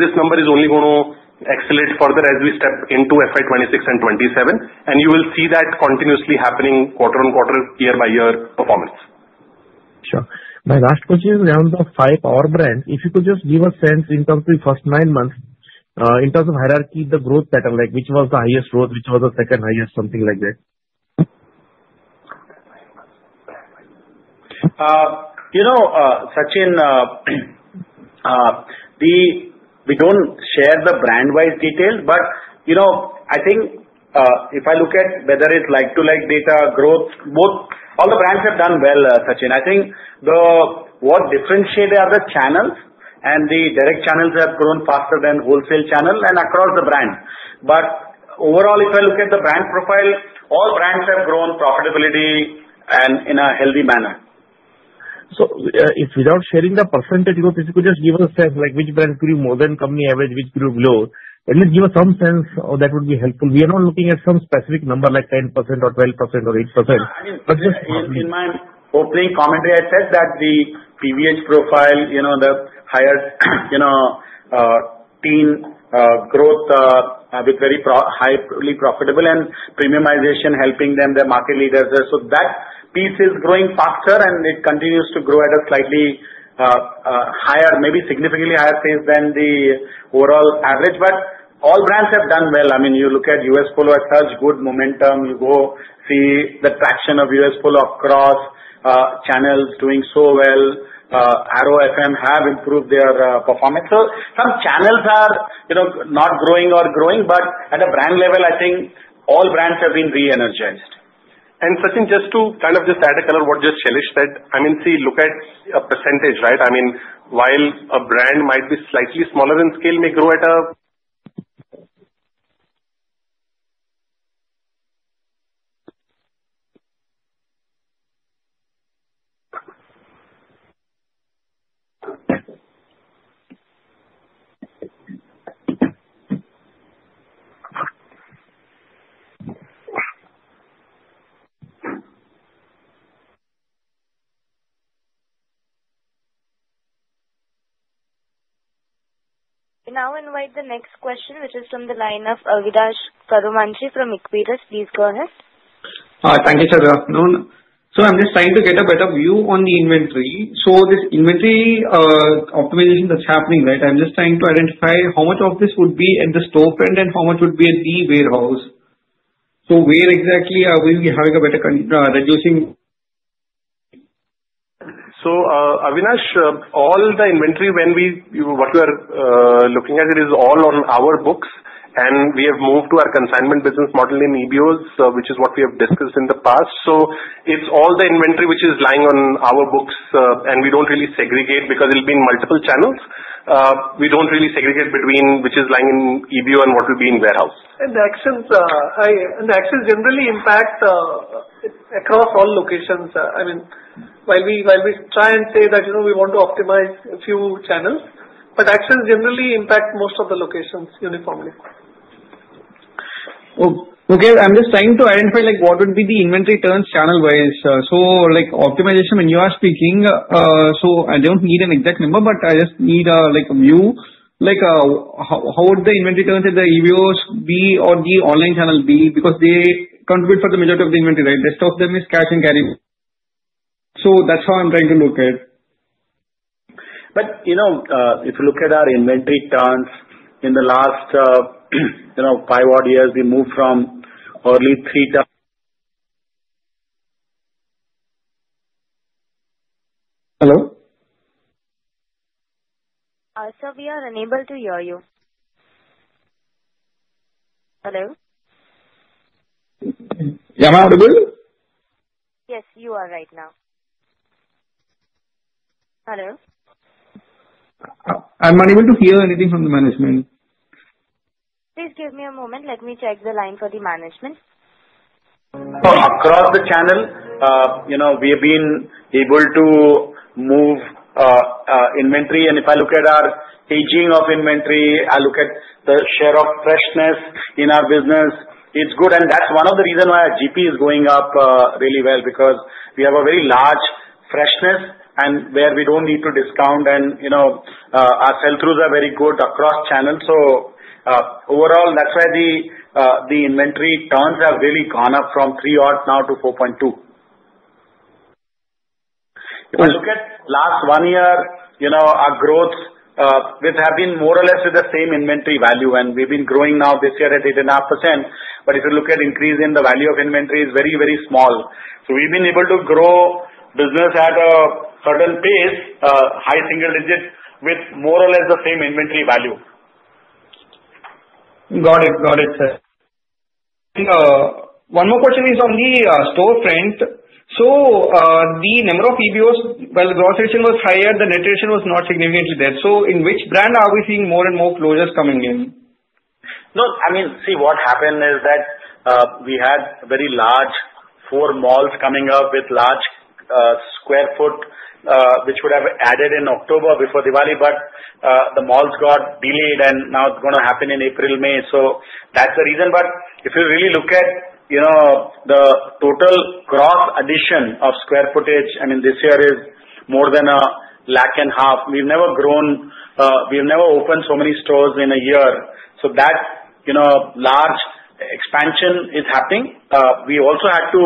Speaker 2: This number is only going to accelerate further as we step into FY 2026 and 2027. You will see that continuously happening quarter-on-quarter, year-by-year performance.
Speaker 7: Sure. My last question is around the five brands. If you could just give us sense in terms of the first nine months, in terms of hierarchy, the growth pattern, which was the highest growth, which was the second highest, something like that.
Speaker 4: Sachin, we don't share the brand-wide detail. But I think if I look at whether it's like-for-like data, growth, both, all the brands have done well, Sachin. I think what differentiates are the channels. And the direct channels have grown faster than wholesale channels and across the brand. But overall, if I look at the brand profile, all brands have grown profitability and in a healthy manner.
Speaker 7: So without sharing the percentage, if you could just give us a sense, which brands grew more than company average, which grew lower, at least give us some sense that would be helpful. We are not looking at some specific number like 10% or 12% or 8%.
Speaker 4: I mean, in my opening commentary, I said that the PVH profile, the higher teen growth with very highly profitable and premiumization helping them, the market leaders. So that piece is growing faster. And it continues to grow at a slightly higher, maybe significantly higher pace than the overall average. But all brands have done well. I mean, you look at US Polo as such, good momentum. You go see the traction of US Polo across channels doing so well. Arrow FM have improved their performance. So some channels are not growing or growing. But at a brand level, I think all brands have been re-energized.
Speaker 2: And Sachin, just to kind of just add a color to what just Shailesh said, I mean, see, look at a percentage, right? I mean, while a brand might be slightly smaller in scale, may grow at a.
Speaker 1: We now invite the next question, which is from the line of Avinash Karumanchi from Equirus. Please go ahead.
Speaker 8: Thank you, Chaturvedi. So I'm just trying to get a better view on the inventory. So this inventory optimization that's happening, right, I'm just trying to identify how much of this would be at the storefront and how much would be at the warehouse. So where exactly are we having a better reduction?
Speaker 4: So Avinash, all the inventory, what we are looking at, it is all on our books. And we have moved to our consignment business model in EBOs, which is what we have discussed in the past. So it's all the inventory which is lying on our books. And we don't really segregate because it'll be in multiple channels. We don't really segregate between which is lying in EBO and what will be in warehouse. The actions generally impact across all locations. I mean, while we try and say that we want to optimize a few channels, but actions generally impact most of the locations uniformly.
Speaker 8: Okay. I'm just trying to identify what would be the inventory turns channel-wise. So optimization, when you are speaking, so I don't need an exact number, but I just need a view, how would the inventory turns in the EBOs be or the online channel be? Because they contribute for the majority of the inventory, right? The rest of them is cash and carry. So that's how I'm trying to look at it.
Speaker 4: But if you look at our inventory turns in the last five-odd years, we moved from early three to.
Speaker 8: Hello?
Speaker 1: So we are unable to hear you. Hello?
Speaker 4: Am I audible?
Speaker 1: Yes, you are right now. Hello?
Speaker 4: I'm unable to hear anything from the management.
Speaker 1: Please give me a moment. Let me check the line for the management.
Speaker 4: So across the channel, we have been able to move inventory. And if I look at our aging of inventory, I look at the share of freshness in our business, it's good. And that's one of the reasons why our GP is going up really well because we have a very large freshness and where we don't need to discount. And our sell-throughs are very good across channels. So overall, that's why the inventory turns have really gone up from 3 odd now to 4.2. If I look at last one year, our growth, it has been more or less with the same inventory value. And we've been growing now this year at 8.5%. But if you look at increase in the value of inventory, it's very, very small. So we've been able to grow business at a certain pace, high single digit, with more or less the same inventory value.
Speaker 8: Got it. Got it, sir. One more question is on the storefront, so the number of EBOs, while the gross addition was higher, the net addition was not significantly there, so in which brand are we seeing more and more closures coming in?
Speaker 4: No. I mean, see, what happened is that we had very large, four malls coming up with large square footage, which would have added in October before Diwali. But the malls got delayed, and now it's going to happen in April, May. So that's the reason. But if you really look at the total gross addition of square footage, I mean, this year is more than a lakh and a half. We've never grown. We've never opened so many stores in a year. So that large expansion is happening. We also had to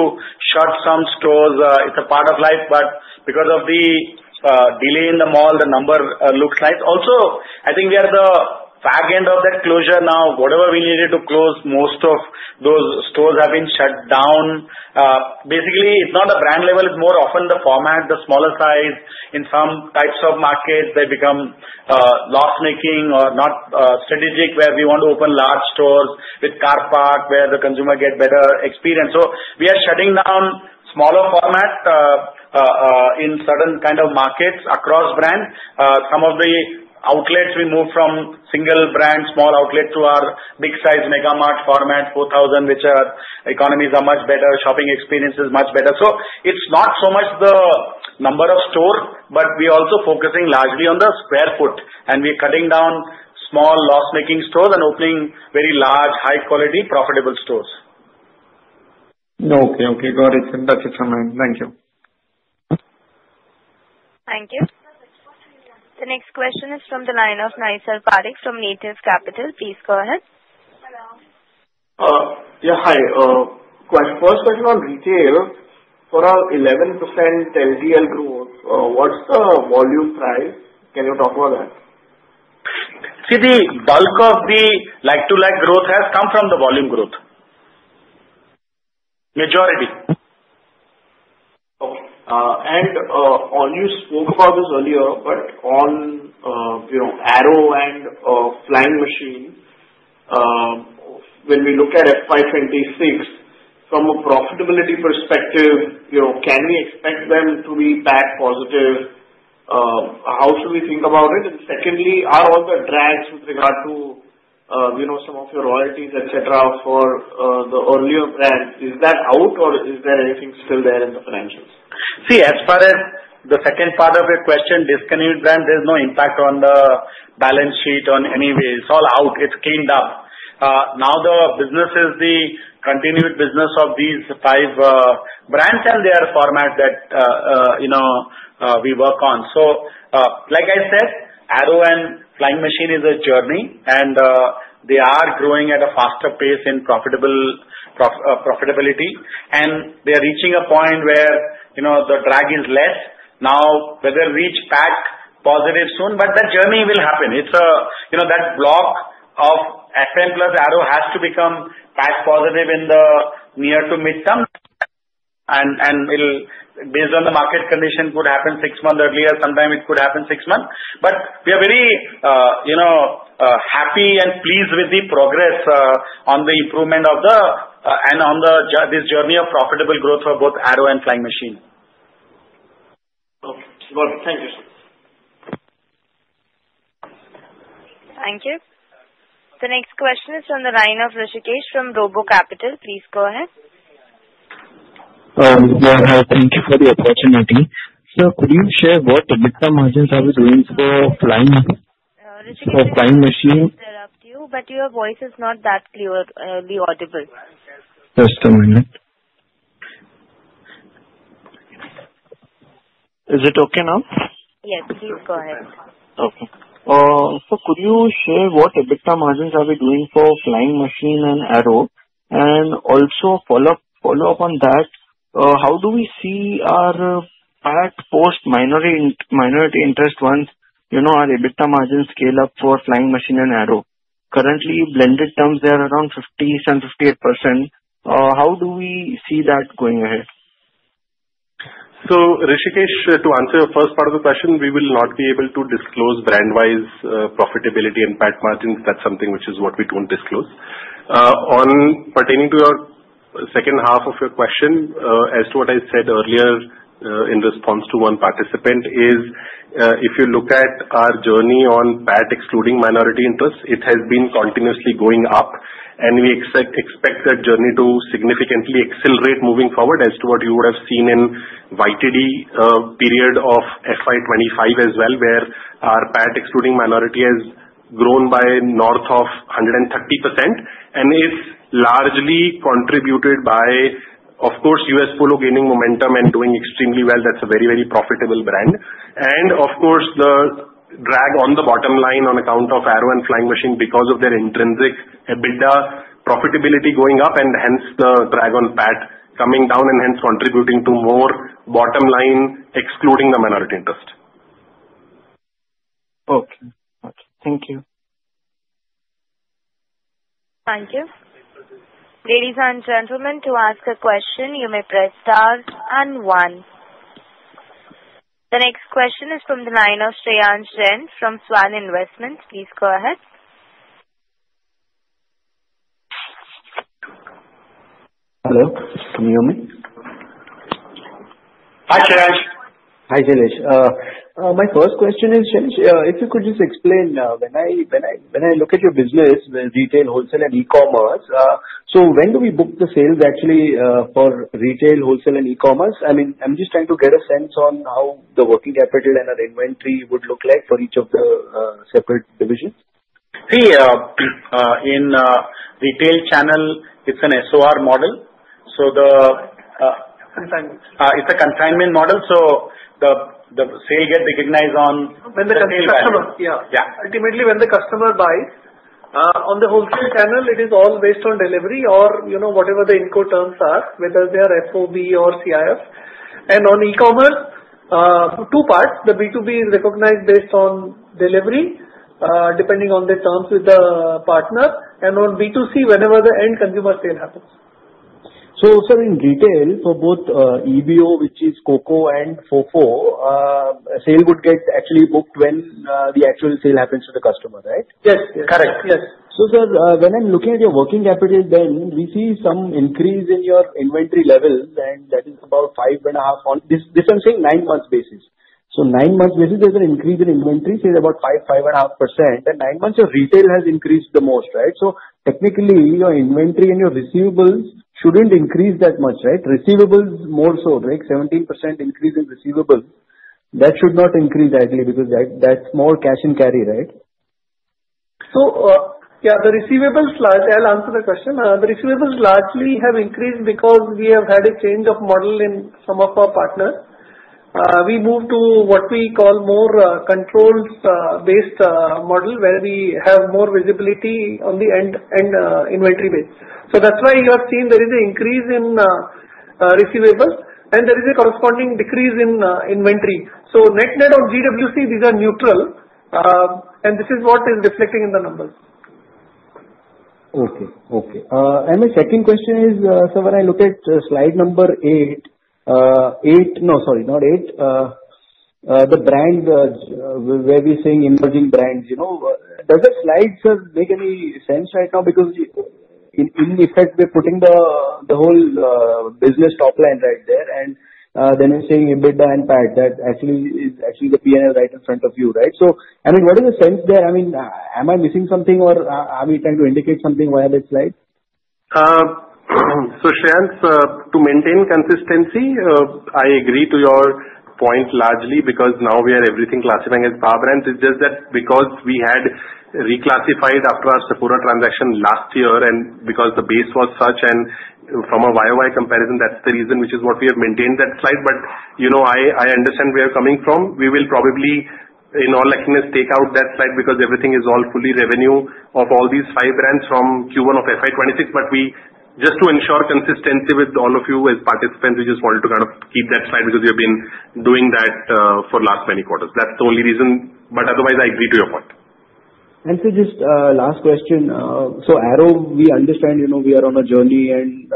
Speaker 4: shut some stores. It's a part of life. But because of the delay in the mall, the number looks nice. Also, I think we are at the back end of that closure now. Whatever we needed to close, most of those stores have been shut down. Basically, it's not a brand level. It's more often the format, the smaller size. In some types of markets, they become loss-making or not strategic, where we want to open large stores with car park where the consumer gets better experience. So we are shutting down smaller format in certain kind of markets across brand. Some of the outlets, we moved from single brand, small outlet to our big-size Megamart format, 4,000, where our economies are much better, shopping experience is much better. So it's not so much the number of stores, but we are also focusing largely on the square foot. And we are cutting down small loss-making stores and opening very large, high-quality, profitable stores.
Speaker 8: Okay. Okay. Got it. That's it from mine. Thank you.
Speaker 1: Thank you. The next question is from the line of Naysar Parikh from Native Capital. Please go ahead. Hello.
Speaker 9: Yeah. Hi. First question on retail, for our 11% LFL growth, what's the volume price? Can you talk about that?
Speaker 4: See, the bulk of the like-for-like growth has come from the volume growth, majority.
Speaker 9: And all you spoke about this earlier, but on Arrow and Flying Machine, when we look at FY26, from a profitability perspective, can we expect them to be back positive? How should we think about it? And secondly, are all the drags with regard to some of your royalties, etc., for the earlier brands, is that out, or is there anything still there in the financials?
Speaker 4: See, as far as the second part of your question, discontinued brand, there's no impact on the balance sheet in any way. It's all out. It's cleaned up. Now the business is the continued business of these five brands and their format that we work on. So like I said, Arrow and Flying Machine is a journey, and they are growing at a faster pace in profitability, and they are reaching a point where the drag is less. Now, whether we reach PAT positive soon, but that journey will happen. It's that block of FM plus Arrow has to become PAT positive in the near to mid term, and based on the market condition, it could happen six months earlier. Sometimes it could happen six months, but we are very happy and pleased with the progress on the improvement, and on this journey of profitable growth for both Arrow and Flying Machine.
Speaker 9: Okay. Thank you.
Speaker 1: Thank you. The next question is from the line of Rishikesh from RoboCapital. Please go ahead.
Speaker 10: Hello. Thank you for the opportunity. So could you share what the gross margins are we doing for Flying Machine?
Speaker 1: Rishikesh, I interrupt you, but your voice is not that clearly audible.
Speaker 10: Just a moment. Is it okay now?
Speaker 1: Yes. Please go ahead.
Speaker 10: Okay. So could you share what the gross margins are we doing for Flying Machine and Arrow? And also follow up on that, how do we see our PAT post minority interest once our EBITDA margins scale up for Flying Machine and Arrow? Currently, blended gross margins, they are around 50%, 58%. How do we see that going ahead?
Speaker 2: So Rishikesh, to answer your first part of the question, we will not be able to disclose brand-wise profitability and PAT margins. That's something which is what we don't disclose. Pertaining to your second half of your question, as to what I said earlier in response to one participant is if you look at our journey on PAT excluding minority interests, it has been continuously going up. And we expect that journey to significantly accelerate moving forward as to what you would have seen in YTD period of FY25 as well, where our PAT excluding minority has grown by north of 130%. And it's largely contributed by, of course, US Polo gaining momentum and doing extremely well. That's a very, very profitable brand. And of course, the drag on the bottom line on account of Arrow and Flying Machine because of their intrinsic EBITDA profitability going up. And hence, the drag on PAT coming down and hence contributing to more bottom line excluding the minority interest.
Speaker 10: Okay. Thank you.
Speaker 1: Thank you. Ladies and gentlemen, to ask a question, you may press star and one. The next question is from the line of Shreyansh Jain from Swan Investments. Please go ahead.
Speaker 11: Hello. Can you hear me?
Speaker 4: Hi, Shreyansh.
Speaker 11: Hi, Shailesh. My first question is, Shailesh, if you could just explain, when I look at your business, retail, wholesale, and e-commerce, so when do we book the sales actually for retail, wholesale, and e-commerce? I mean, I'm just trying to get a sense on how the working capital and our inventory would look like for each of the separate divisions?
Speaker 4: See, in retail channel, it's an SOR model. So the. Consignment. It's a consignment model. So the sale gets recognized on.
Speaker 11: When the customer. Yeah.
Speaker 2: Ultimately, when the customer buys, on the wholesale channel, it is all based on delivery or whatever the Incoterms are, whether they are FOB or CIF. And on e-commerce, two parts. The B2B is recognized based on delivery, depending on the terms with the partner. And on B2C, whenever the end consumer sale happens.
Speaker 11: Sir, in retail, for both EBO, which is COCO and FOFO, sale would get actually booked when the actual sale happens to the customer, right?
Speaker 4: Yes. Correct.
Speaker 11: Yes. So sir, when I'm looking at your working capital, then we see some increase in your inventory levels. And that is about 5.5% on this, I'm saying, nine-month basis. So nine-month basis, there's an increase in inventory, say, about 5-5.5%. And nine months, your retail has increased the most, right? So technically, your inventory and your receivables shouldn't increase that much, right? Receivables more so, like 17% increase in receivables. That should not increase directly because that's more cash and carry, right?
Speaker 4: So, yeah, the receivables largely. I'll answer the question. The receivables largely have increased because we have had a change of model in some of our partners. We moved to what we call more controls-based model where we have more visibility on the end inventory base. So, that's why you have seen there is an increase in receivables. And there is a corresponding decrease in inventory. So, net net on NWC, these are neutral. And this is what is reflecting in the numbers.
Speaker 11: Okay. Okay. And my second question is, so when I look at slide number eight eight no, sorry, not eight, the brand where we're seeing Emerging Brands, does that slide, sir, make any sense right now? Because in effect, we're putting the whole business top line right there. And then we're seeing EBITDA and PAT. That actually is actually the P&L right in front of you, right? So I mean, what is the sense there? I mean, am I missing something or are we trying to indicate something with this slide?
Speaker 4: Shreyansh, to maintain consistency, I agree to your point largely because now we are everything classifying as Power Brands. It's just that because we had reclassified after our Sephora transaction last year and because the base was such and from a YoY comparison, that's the reason which is what we have maintained that slide. But I understand where you're coming from. We will probably, in all likelihood, take out that slide because everything is all fully revenue of all these five brands from Q1 of FY26. But just to ensure consistency with all of you as participants, we just wanted to kind of keep that slide because we have been doing that for the last many quarters. That's the only reason. But otherwise, I agree to your point.
Speaker 11: And so just last question. So Arrow, we understand we are on a journey and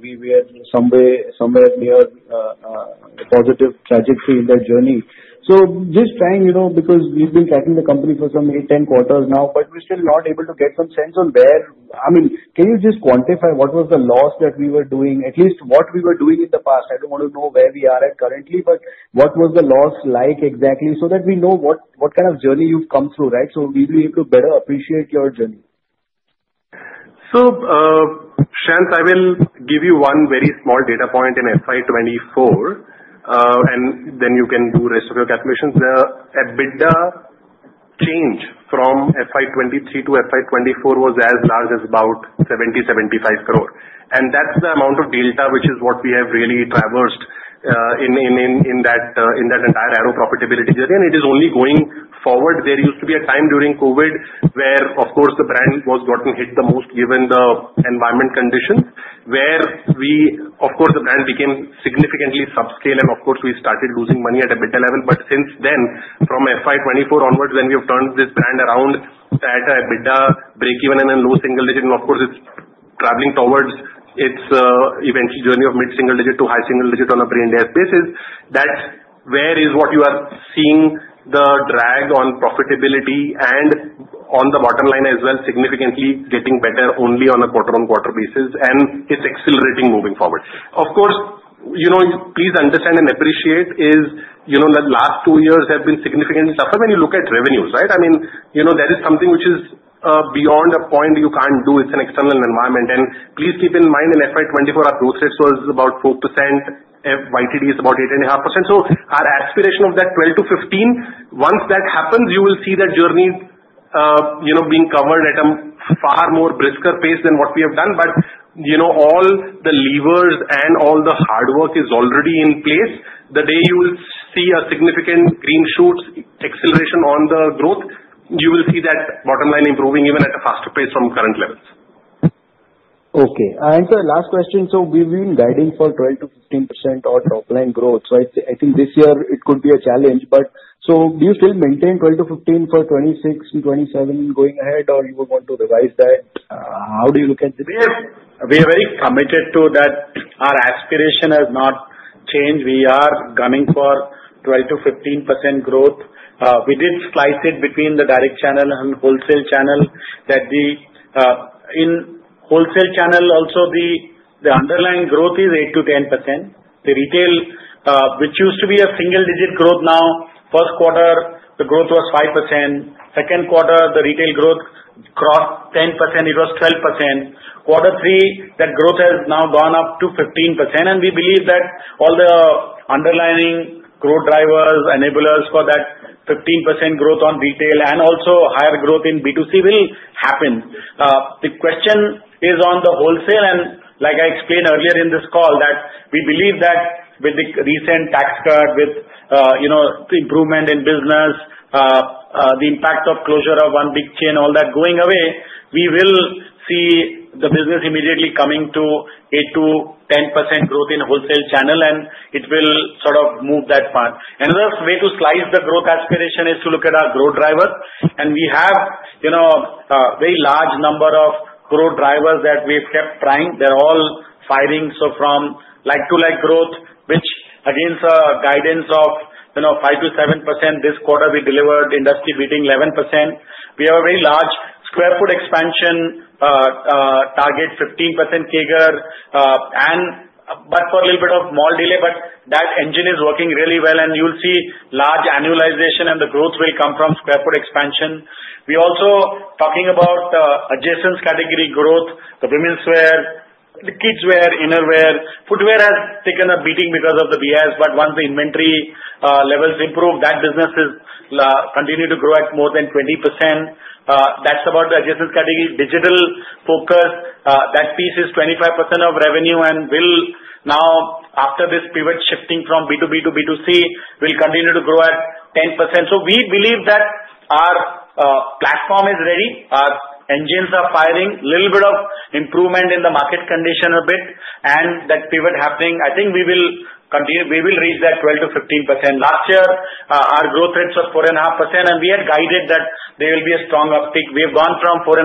Speaker 11: we are somewhere near a positive trajectory in that journey. So just trying because we've been tracking the company for some eight, 10 quarters now, but we're still not able to get some sense on where I mean, can you just quantify what was the loss that we were doing, at least what we were doing in the past? I don't want to know where we are at currently, but what was the loss like exactly so that we know what kind of journey you've come through, right? So we'll be able to better appreciate your journey.
Speaker 4: Shreyansh, I will give you one very small data point in FY24. And then you can do the rest of your calculations. The EBITDA change from FY23 to FY24 was as large as about 70-75 crore. And that's the amount of delta, which is what we have really traversed in that entire Arrow profitability journey. And it is only going forward. There used to be a time during COVID where, of course, the brand was hit the most given the environment conditions where we, of course, the brand became significantly subscale. And of course, we started losing money at EBITDA level. But since then, from FY 2024 onwards, when we have turned this brand around at EBITDA breakeven and then low single digit, and of course, it's traveling towards its eventual journey of mid single digit to high single digit on a Pre-Ind AS basis, that's where is what you are seeing the drag on profitability and on the bottom line as well, significantly getting better only on a quarter-on-quarter basis. And it's accelerating moving forward. Of course, please understand and appreciate is the last two years have been significantly tougher when you look at revenues, right? I mean, that is something which is beyond a point you can't do. It's an external environment. And please keep in mind in FY 2024, our growth rates were about 4%. YTD is about 8.5%. Our aspiration of that 12-15, once that happens, you will see that journey being covered at a far more brisker pace than what we have done. But all the levers and all the hard work is already in place. The day you will see a significant green shoots acceleration on the growth, you will see that bottom line improving even at a faster pace from current levels.
Speaker 11: Okay. And so last question. So we've been guiding for 12%-15% top line growth. So I think this year it could be a challenge. But so do you still maintain 12%-15% for 26 and 27 going ahead, or you would want to revise that? How do you look at it?
Speaker 4: We are very committed to that. Our aspiration has not changed. We are gunning for 12-15% growth. We did slice it between the direct channel and wholesale channel, that in the wholesale channel, also the underlying growth is 8-10%. The retail, which used to be a single-digit growth, now first quarter, the growth was 5%. Second quarter, the retail growth crossed 10%. It was 12%. Quarter three, that growth has now gone up to 15%. And we believe that all the underlying growth drivers, enablers for that 15% growth on retail and also higher growth in B2C will happen. The question is on the wholesale. And like I explained earlier in this call, that we believe that with the recent tax cut, with improvement in business, the impact of closure of one big chain, all that going away, we will see the business immediately coming to 8-10% growth in wholesale channel. And it will sort of move that part. Another way to slice the growth aspiration is to look at our growth drivers. And we have a very large number of growth drivers that we've kept trying. They're all firing. So from like-for-like growth, which against guidance of 5-7% this quarter, we delivered industry-beating 11%. We have a very large square foot expansion target, 15% CAGR, but for a little bit of more delay. But that engine is working really well. And you'll see large annualization and the growth will come from square foot expansion. We are also talking about adjacency category growth. The women's wear, the kids' wear, inner wear, footwear has taken a beating because of the BIS. But once the inventory levels improve, that business has continued to grow at more than 20%. That's about the adjacency category. Digital focus, that piece is 25% of revenue and will now, after this pivot shifting from B2B to B2C, will continue to grow at 10%. So we believe that our platform is ready. Our engines are firing. A little bit of improvement in the market condition a bit, and that pivot happening, I think we will reach that 12%-15%. Last year, our growth rates were 4.5%. We had guided that there will be a strong uptick. We have gone from 4.5%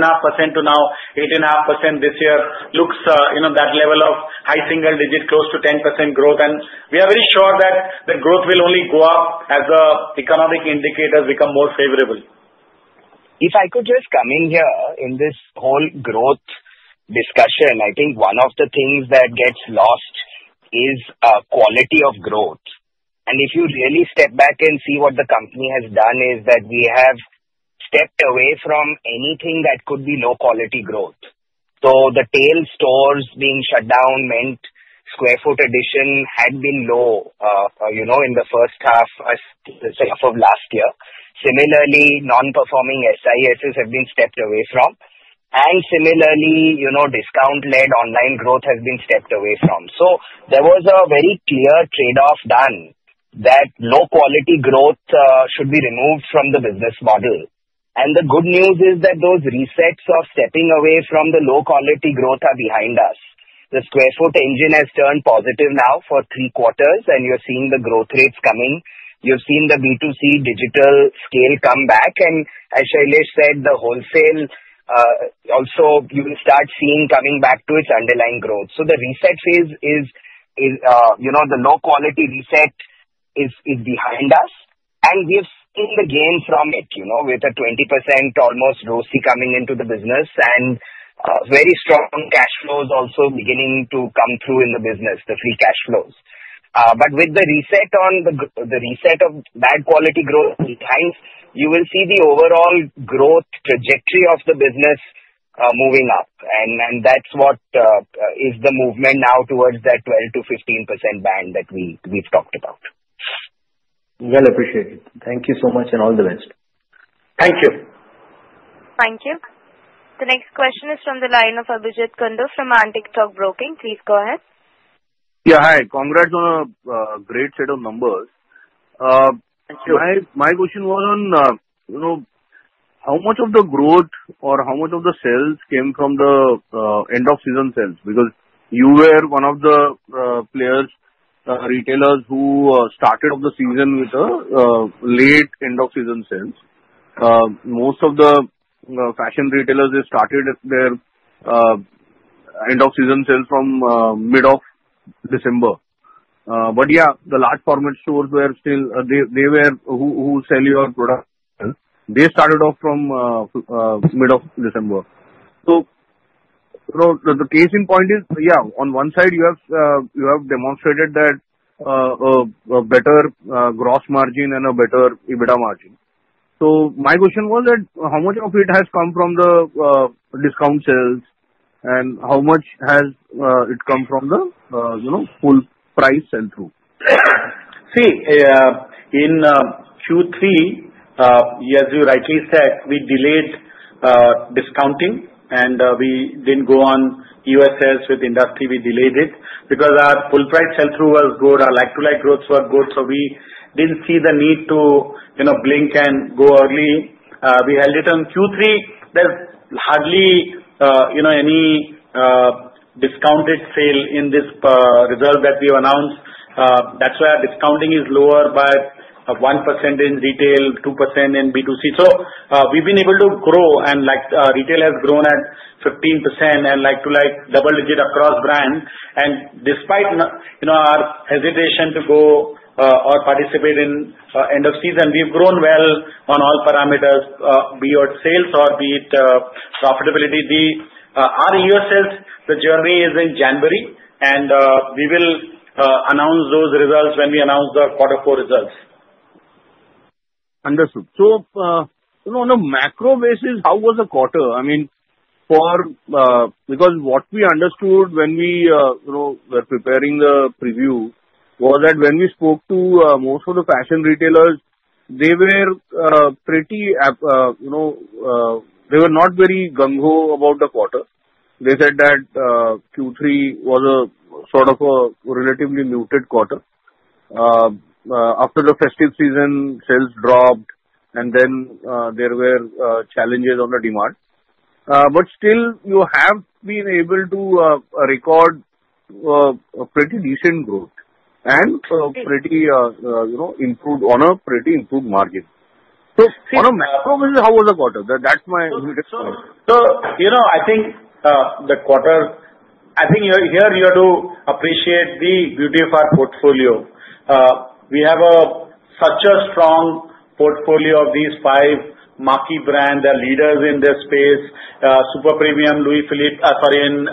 Speaker 4: to now 8.5% this year. Looks that level of high single digit, close to 10% growth. We are very sure that the growth will only go up as the economic indicators become more favorable.
Speaker 3: If I could just come in here in this whole growth discussion, I think one of the things that gets lost is quality of growth, and if you really step back and see what the company has done is that we have stepped away from anything that could be low-quality growth, so the tail stores being shut down meant square foot addition had been low in the first half of last year. Similarly, non-performing SISs have been stepped away from, and similarly, discount-led online growth has been stepped away from, so there was a very clear trade-off done that low-quality growth should be removed from the business model, and the good news is that those resets of stepping away from the low-quality growth are behind us. The square foot engine has turned positive now for three quarters, and you're seeing the growth rates coming. You've seen the B2C digital scale come back. As Shailesh said, the wholesale also you will start seeing coming back to its underlying growth. The reset phase is the low-quality reset is behind us. We've seen the gain from it with a 20% almost ROCE coming into the business and very strong cash flows also beginning to come through in the business, the free cash flows. With the reset on the reset of bad quality growth behind, you will see the overall growth trajectory of the business moving up, and that's what is the movement now towards that 12%-15% band that we've talked about.
Speaker 11: Well appreciated. Thank you so much and all the best.
Speaker 4: Thank you.
Speaker 1: Thank you. The next question is from the line of Abhijeet Kundu from Antique Stock Broking. Please go ahead.
Speaker 12: Yeah. Hi. Congrats on a great set of numbers.
Speaker 4: Thank you.
Speaker 12: My question was on how much of the growth or how much of the sales came from the end-of-season sales? Because you were one of the players, retailers who started the season with the late end-of-season sales. Most of the fashion retailers started their end-of-season sales from mid of December. But yeah, the large format stores were still, they were who sell your products. They started off from mid of December. So the case in point is, yeah, on one side, you have demonstrated that a better gross margin and a better EBITDA margin. So my question was that how much of it has come from the discount sales and how much has it come from the full price sell-through?
Speaker 4: See, in Q3, as you rightly said, we delayed discounting. And we didn't go on EOSS sales with industry. We delayed it because our full price sell-through was good. Our like-for-like growths were good. So we didn't see the need to blink and go early. We held it on Q3. There's hardly any discounted sale in this result that we announced. That's why our discounting is lower by 1% in retail, 2% in B2C. So we've been able to grow. And retail has grown at 15% and like-for-like double-digit across brand. And despite our hesitation to go or participate in end-of-season, we've grown well on all parameters, be it sales or be it profitability. Our EOSS sales, the inventory is in January. And we will announce those results when we announce the quarter four results.
Speaker 12: Understood. So on a macro basis, how was the quarter? I mean, because what we understood when we were preparing the preview was that when we spoke to most of the fashion retailers, they were pretty not very gung-ho about the quarter. They said that Q3 was a sort of a relatively muted quarter. After the festive season, sales dropped, and then there were challenges on the demand, but still, you have been able to record a pretty decent growth and pretty improved on a pretty improved margin, so on a macro basis, how was the quarter? That's my immediate question.
Speaker 4: So I think the quarter I think here you have to appreciate the beauty of our portfolio. We have such a strong portfolio of these five marquee brands. They're leaders in this space. Super Premium, Louis Philippe sorry, in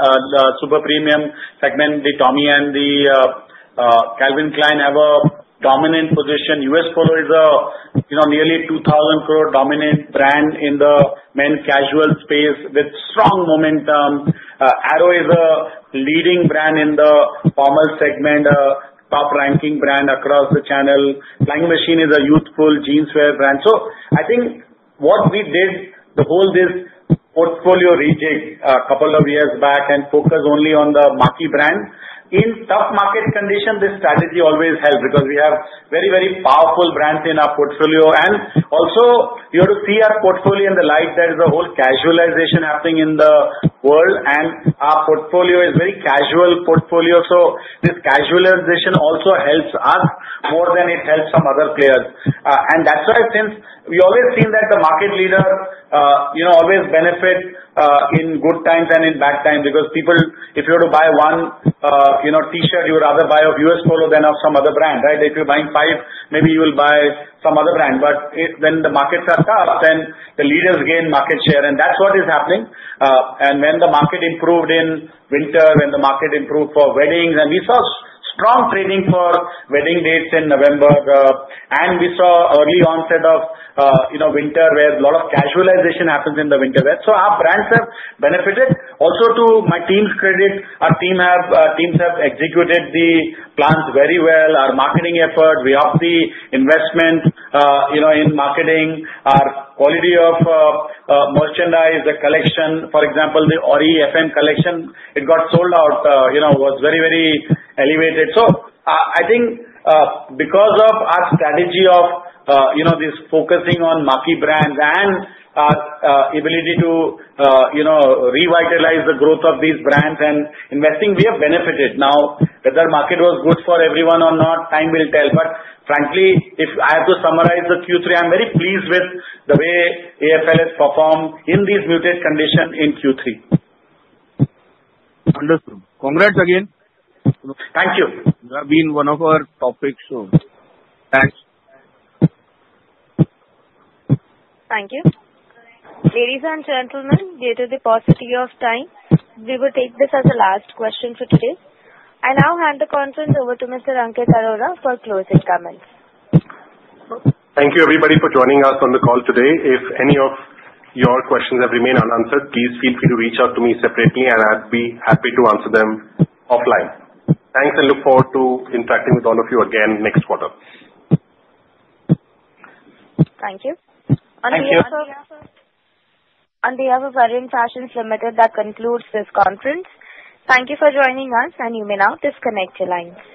Speaker 4: Super Premium segment, the Tommy and the Calvin Klein have a dominant position. US Polo is a nearly 2,000 crore dominant brand in the men's casual space with strong momentum. Arrow is a leading brand in the formal segment, a top-ranking brand across the channel. Flying Machine is a youthful jeanswear brand. So I think what we did, the whole this portfolio rejigged a couple of years back and focused only on the marquee brand. In tough market condition, this strategy always helps because we have very, very powerful brands in our portfolio. And also, you have to see our portfolio in the light. There is a whole casualization happening in the world. And our portfolio is a very casual portfolio. So this casualization also helps us more than it helps some other players. And that's why since we always seen that the market leader always benefits in good times and in bad times because people, if you were to buy one T-shirt, you would rather buy a US Polo than some other brand, right? If you're buying five, maybe you will buy some other brand. But when the markets are tough, then the leaders gain market share. That's what is happening. When the market improved in winter, when the market improved for weddings, and we saw strong trading for wedding dates in November. We saw early onset of winter where a lot of casualization happens in the winter. Our brands have benefited. Also, to my team's credit, our teams have executed the plans very well. Our marketing effort, we have the investment in marketing, our quality of merchandise, the collection. For example, the Orry FM collection, it got sold out, was very, very elevated. I think because of our strategy of this focusing on marquee brands and our ability to revitalize the growth of these brands and investing, we have benefited. Now, whether the market was good for everyone or not, time will tell. But frankly, if I have to summarize the Q3, I'm very pleased with the way AFL has performed in these muted conditions in Q3.
Speaker 12: Understood. Congrats again.
Speaker 4: Thank you.
Speaker 12: You have been one of our top picks.
Speaker 4: So thanks.
Speaker 1: Thank you. Ladies and gentlemen, due to the paucity of time, we will take this as a last question for today. I now hand the conference over to Mr. Ankit Arora for closing comments.
Speaker 2: Thank you, everybody, for joining us on the call today. If any of your questions have remained unanswered, please feel free to reach out to me separately, and I'll be happy to answer them offline. Thanks, and look forward to interacting with all of you again next quarter.
Speaker 1: Thank you. On behalf of.
Speaker 2: Thank you.
Speaker 1: On behalf of Arvind Fashions Limited, that concludes this conference. Thank you for joining us, and you may now disconnect your lines.